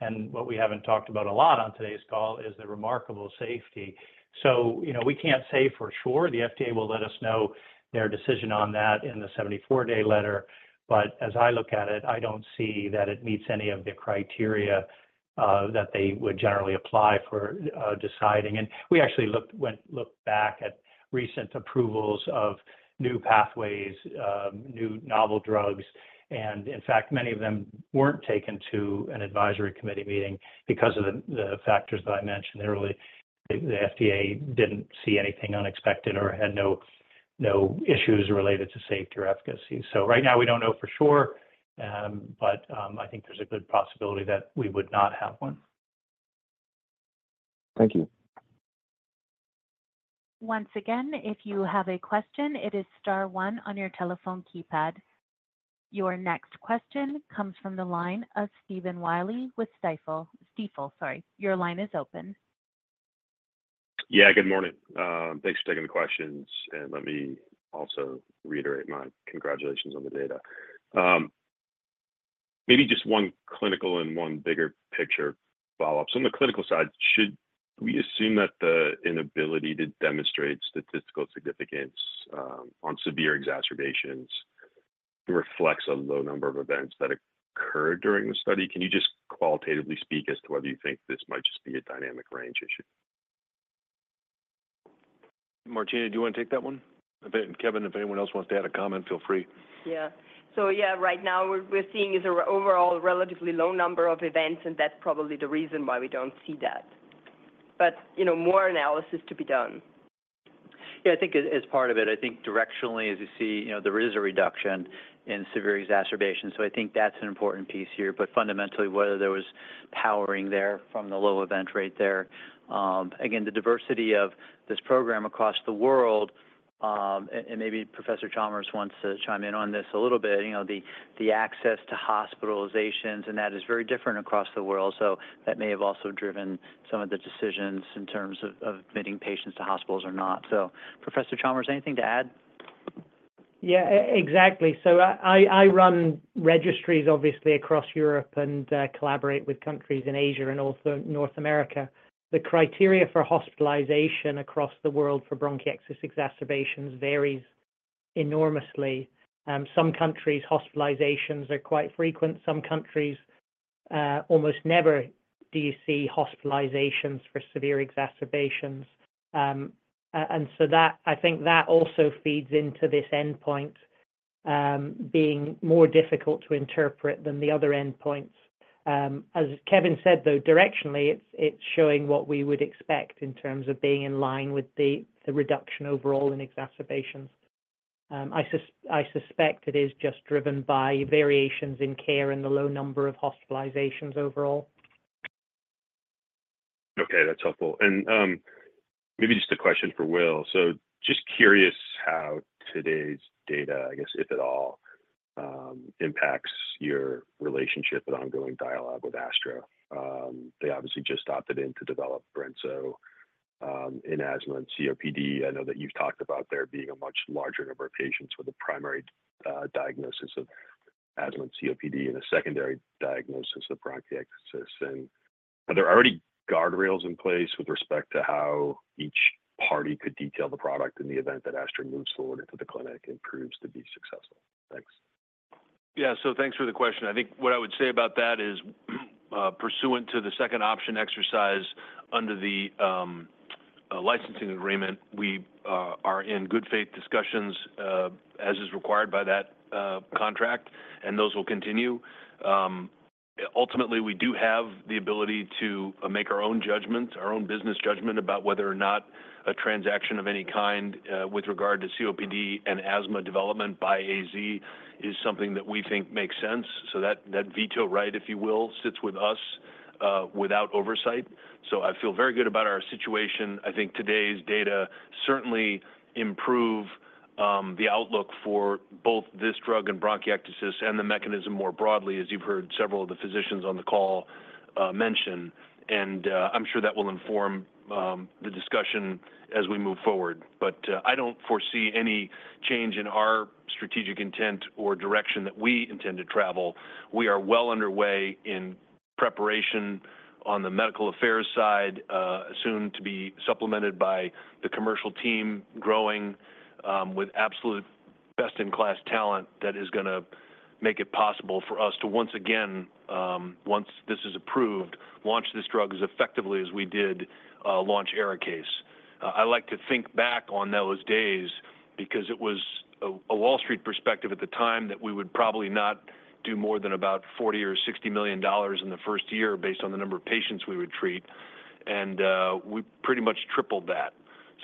Speaker 12: And what we haven't talked about a lot on today's call is the remarkable safety. So, you know, we can't say for sure. The FDA will let us know their decision on that in the 74-day letter. But as I look at it, I don't see that it meets any of the criteria that they would generally apply for deciding. We actually looked back at recent approvals of new pathways, new novel drugs, and in fact, many of them weren't taken to an advisory committee meeting because of the factors that I mentioned earlier. The FDA didn't see anything unexpected or had no issues related to safety or efficacy. Right now, we don't know for sure, but I think there's a good possibility that we would not have one.
Speaker 19: Thank you.
Speaker 1: Once again, if you have a question, it is star one on your telephone keypad. Your next question comes from the line of Stephen Willey with Stifel. Stifel, sorry. Your line is open.
Speaker 20: Yeah, good morning. Thanks for taking the questions, and let me also reiterate my congratulations on the data. Maybe just one clinical and one bigger picture follow-up. So on the clinical side, should we assume that the inability to demonstrate statistical significance on severe exacerbations reflects a low number of events that occurred during the study? Can you just qualitatively speak as to whether you think this might just be a dynamic range issue?
Speaker 3: Martina, do you want to take that one? Kevin, if anyone else wants to add a comment, feel free.
Speaker 4: Yeah. So yeah, right now, we're seeing an overall relatively low number of events, and that's probably the reason why we don't see that. But, you know, more analysis to be done.
Speaker 8: Yeah, I think as part of it, I think directionally, as you see, you know, there is a reduction in severe exacerbation, so I think that's an important piece here. But fundamentally, whether there was powering there from the low event rate there, again, the diversity of this program across the world, and maybe Professor Chalmers wants to chime in on this a little bit, you know, the access to hospitalizations, and that is very different across the world. So that may have also driven some of the decisions in terms of admitting patients to hospitals or not. So, Professor Chalmers, anything to add?
Speaker 5: Yeah, exactly. So I run registries, obviously, across Europe and collaborate with countries in Asia and also North America. The criteria for hospitalization across the world for bronchiectasis exacerbations varies enormously. Some countries, hospitalizations are quite frequent. Some countries, almost never do you see hospitalizations for severe exacerbations. And so that, I think that also feeds into this endpoint being more difficult to interpret than the other endpoints. As Kevin said, though, directionally, it's showing what we would expect in terms of being in line with the reduction overall in exacerbations. I suspect it is just driven by variations in care and the low number of hospitalizations overall.
Speaker 20: Okay, that's helpful. And maybe just a question for Will. So just curious how today's data, I guess, if at all, impacts your relationship and ongoing dialogue with AstraZeneca. They obviously just opted in to develop brensocatib in asthma and COPD. I know that you've talked about there being a much larger number of patients with a primary diagnosis of asthma and COPD and a secondary diagnosis of bronchiectasis. And are there already guardrails in place with respect to how each party could detail the product in the event that AstraZeneca moves forward into the clinic and proves to be successful? Thanks.
Speaker 3: Yeah, so thanks for the question. I think what I would say about that is, pursuant to the second option exercise under the, licensing agreement, we, are in good faith discussions, as is required by that, contract, and those will continue. Ultimately, we do have the ability to, make our own judgment, our own business judgment about whether or not a transaction of any kind, with regard to COPD and asthma development by AZ is something that we think makes sense. So that, that veto right, if you will, sits with us, without oversight. So I feel very good about our situation. I think today's data certainly improve the outlook for both this drug and bronchiectasis and the mechanism more broadly, as you've heard several of the physicians on the call mention, and I'm sure that will inform the discussion as we move forward. But I don't foresee any change in our strategic intent or direction that we intend to travel. We are well underway in preparation on the medical affairs side, soon to be supplemented by the commercial team growing with absolute best-in-class talent that is gonna make it possible for us to, once again, once this is approved, launch this drug as effectively as we did launch ARIKAYCE. I like to think back on those days because it was a Wall Street perspective at the time that we would probably not do more than about $40 million or $60 million in the first year based on the number of patients we would treat, and we pretty much tripled that.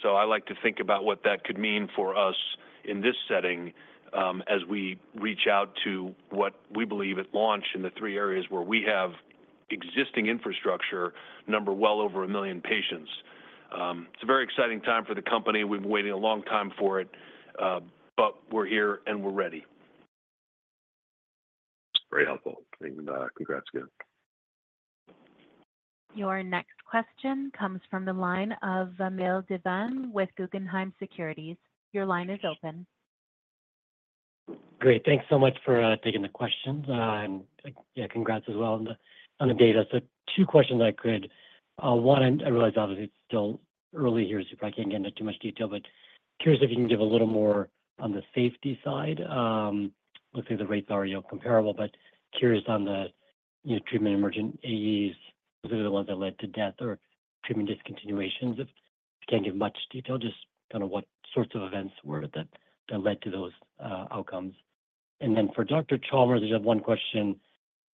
Speaker 3: So I like to think about what that could mean for us in this setting, as we reach out to what we believe at launch in the three areas where we have existing infrastructure, numbering well over 1 million patients. It's a very exciting time for the company. We've been waiting a long time for it, but we're here, and we're ready.
Speaker 20: Very helpful. Congrats again.
Speaker 1: Your next question comes from the line of Vamil Divan with Guggenheim Securities. Your line is open.
Speaker 21: Great. Thanks so much for taking the questions. Yeah, congrats as well on the data. So two questions if I could. One, I realize, obviously, it's still early here, so you probably can't get into too much detail, but curious if you can give a little more on the safety side. Looks like the rates are, you know, comparable, but curious on the, you know, treatment emergent AEs, those are the ones that led to death or treatment discontinuations. If you can't give much detail, just kinda what sorts of events were that led to those outcomes? And then for Dr. Chalmers, I just have one question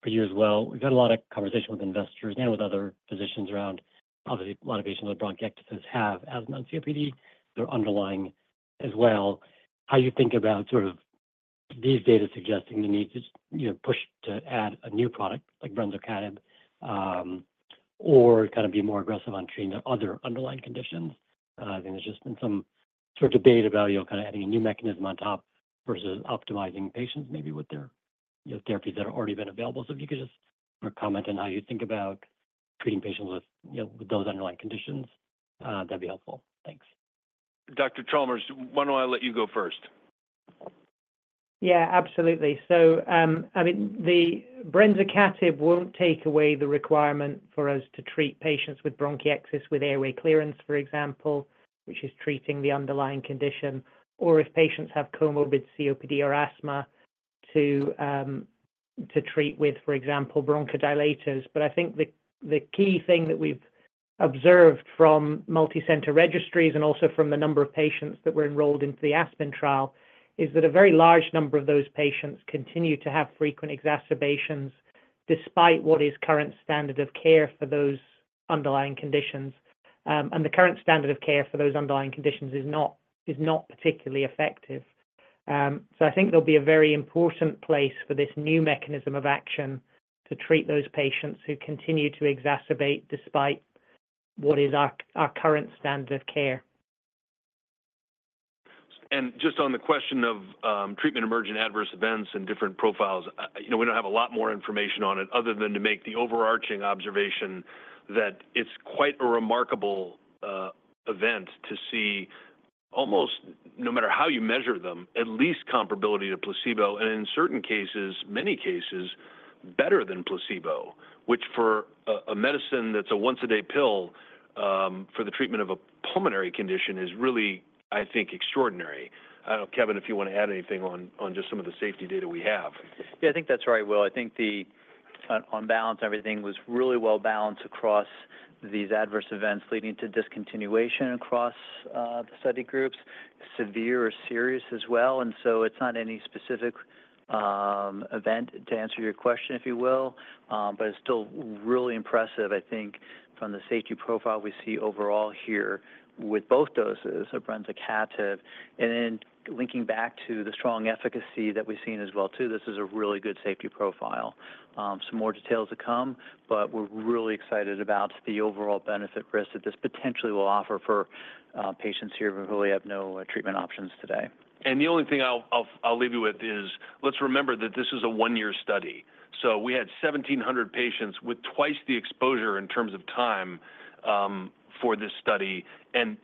Speaker 21: for you as well. We've had a lot of conversation with investors and with other physicians around, obviously, a lot of patients with bronchiectasis have asthma and COPD, they're underlying as well. How do you think about sort of these data suggesting the need to, you know, push to add a new product like brensocatib, or kinda be more aggressive on treating the other underlying conditions? I think there's just been some sort of debate about, you know, kinda adding a new mechanism on top versus optimizing patients maybe with their, you know, therapies that are already been available. So if you could just comment on how you think about treating patients with, you know, with those underlying conditions, that'd be helpful. Thanks.
Speaker 3: Dr. Chalmers, why don't I let you go first?
Speaker 5: Yeah, absolutely. So, I mean, the brensocatib won't take away the requirement for us to treat patients with bronchiectasis, with airway clearance, for example, which is treating the underlying condition, or if patients have comorbid COPD or asthma, to treat with, for example, bronchodilators. But I think the key thing that we've observed from multicenter registries and also from the number of patients that were enrolled into the ASPEN trial, is that a very large number of those patients continue to have frequent exacerbations despite what is current standard of care for those underlying conditions. And the current standard of care for those underlying conditions is not particularly effective. So I think there'll be a very important place for this new mechanism of action to treat those patients who continue to exacerbate despite what is our current standard of care.
Speaker 3: And just on the question of, treatment-emergent adverse events and different profiles, you know, we don't have a lot more information on it other than to make the overarching observation that it's quite a remarkable, event to see, almost no matter how you measure them, at least comparability to placebo, and in certain cases, many cases, better than placebo, which for a, a medicine that's a once-a-day pill, for the treatment of a pulmonary condition is really, I think, extraordinary. I don't know, Kevin, if you wanna add anything on, on just some of the safety data we have.
Speaker 8: Yeah, I think that's right, Will. I think on balance, everything was really well balanced across these adverse events leading to discontinuation across the study groups, severe or serious as well. And so it's not any specific event, to answer your question, if you will, but it's still really impressive, I think, from the safety profile we see overall here with both doses of brensocatib. And then linking back to the strong efficacy that we've seen as well, too, this is a really good safety profile. Some more details to come, but we're really excited about the overall benefit risk that this potentially will offer for patients here who really have no treatment options today.
Speaker 3: The only thing I'll leave you with is, let's remember that this is a one-year study. So we had 1,700 patients with twice the exposure in terms of time for this study. And,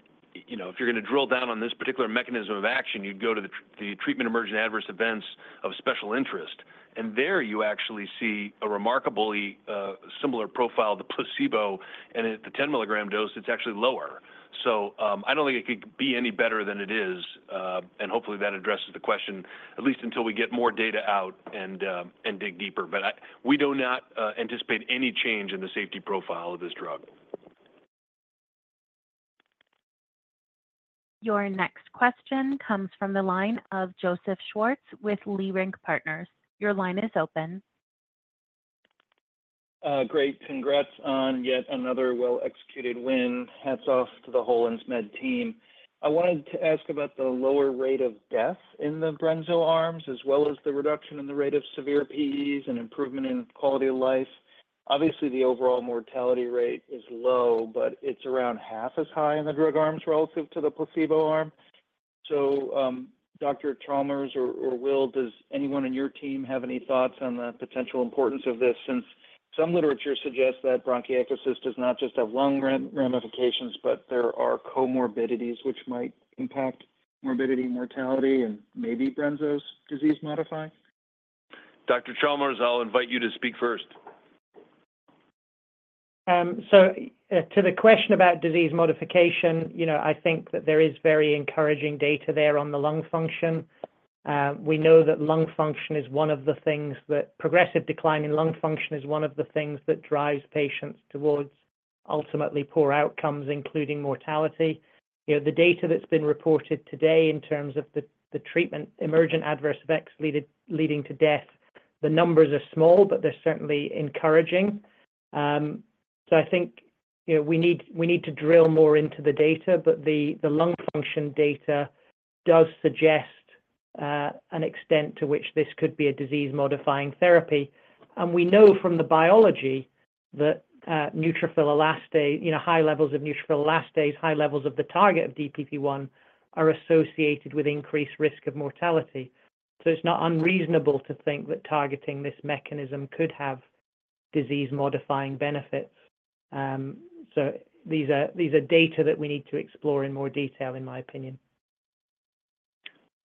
Speaker 3: you know, if you're gonna drill down on this particular mechanism of action, you'd go to the treatment-emergent adverse events of special interest. And there, you actually see a remarkably similar profile to placebo, and at the 10-mg dose, it's actually lower. So, I don't think it could be any better than it is, and hopefully, that addresses the question, at least until we get more data out and dig deeper. But we do not anticipate any change in the safety profile of this drug.
Speaker 1: Your next question comes from the line of Joseph Schwartz with Leerink Partners. Your line is open.
Speaker 22: Great. Congrats on yet another well-executed win. Hats off to the whole Insmed team. I wanted to ask about the lower rate of death in the brensocatib arms, as well as the reduction in the rate of severe PEs and improvement in quality of life. Obviously, the overall mortality rate is low, but it's around half as high in the drug arms relative to the placebo arm. So, Dr. Chalmers or, or Will, does anyone on your team have any thoughts on the potential importance of this? Since some literature suggests that bronchiectasis does not just have lung ramifications, but there are comorbidities which might impact morbidity, mortality, and maybe brensocatib's disease-modifying.
Speaker 3: Dr. Chalmers, I'll invite you to speak first.
Speaker 5: So, to the question about disease modification, you know, I think that there is very encouraging data there on the lung function. We know that lung function is one of the things that progressive decline in lung function is one of the things that drives patients towards ultimately poor outcomes, including mortality. You know, the data that's been reported today in terms of the treatment emergent adverse effects leading to death, the numbers are small, but they're certainly encouraging. So I think, you know, we need to drill more into the data, but the lung function data does suggest an extent to which this could be a disease-modifying therapy. And we know from the biology that neutrophil elastase, you know, high levels of neutrophil elastase, high levels of the target of DPP1, are associated with increased risk of mortality. So it's not unreasonable to think that targeting this mechanism could have disease-modifying benefits. So these are, these are data that we need to explore in more detail, in my opinion.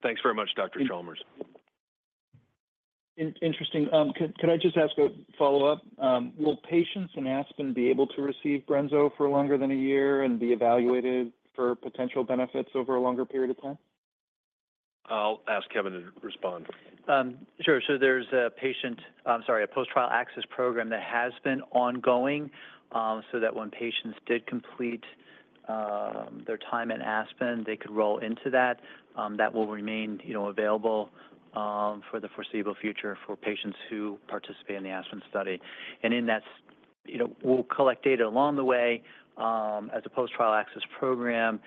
Speaker 3: Thanks very much, Dr. Chalmers.
Speaker 22: Interesting. Can I just ask a follow-up? Will patients in ASPEN be able to receive brensocatib for longer than a year and be evaluated for potential benefits over a longer period of time?
Speaker 3: I'll ask Kevin to respond.
Speaker 8: Sure. So there's a patient—sorry, a post-trial access program that has been ongoing, so that when patients did complete their time in ASPEN, they could roll into that. That will remain, you know, available for the foreseeable future for patients who participate in the ASPEN study. And in that, you know, we'll collect data along the way as a post-trial access program.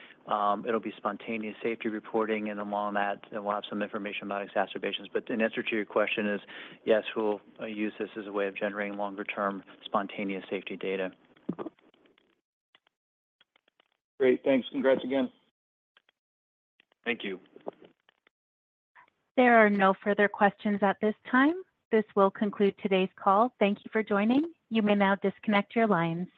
Speaker 8: It'll be spontaneous safety reporting, and among that, and we'll have some information about exacerbations. But in answer to your question is, yes, we'll use this as a way of generating longer-term spontaneous safety data.
Speaker 22: Great, thanks. Congrats again.
Speaker 3: Thank you.
Speaker 1: There are no further questions at this time. This will conclude today's call. Thank you for joining. You may now disconnect your lines.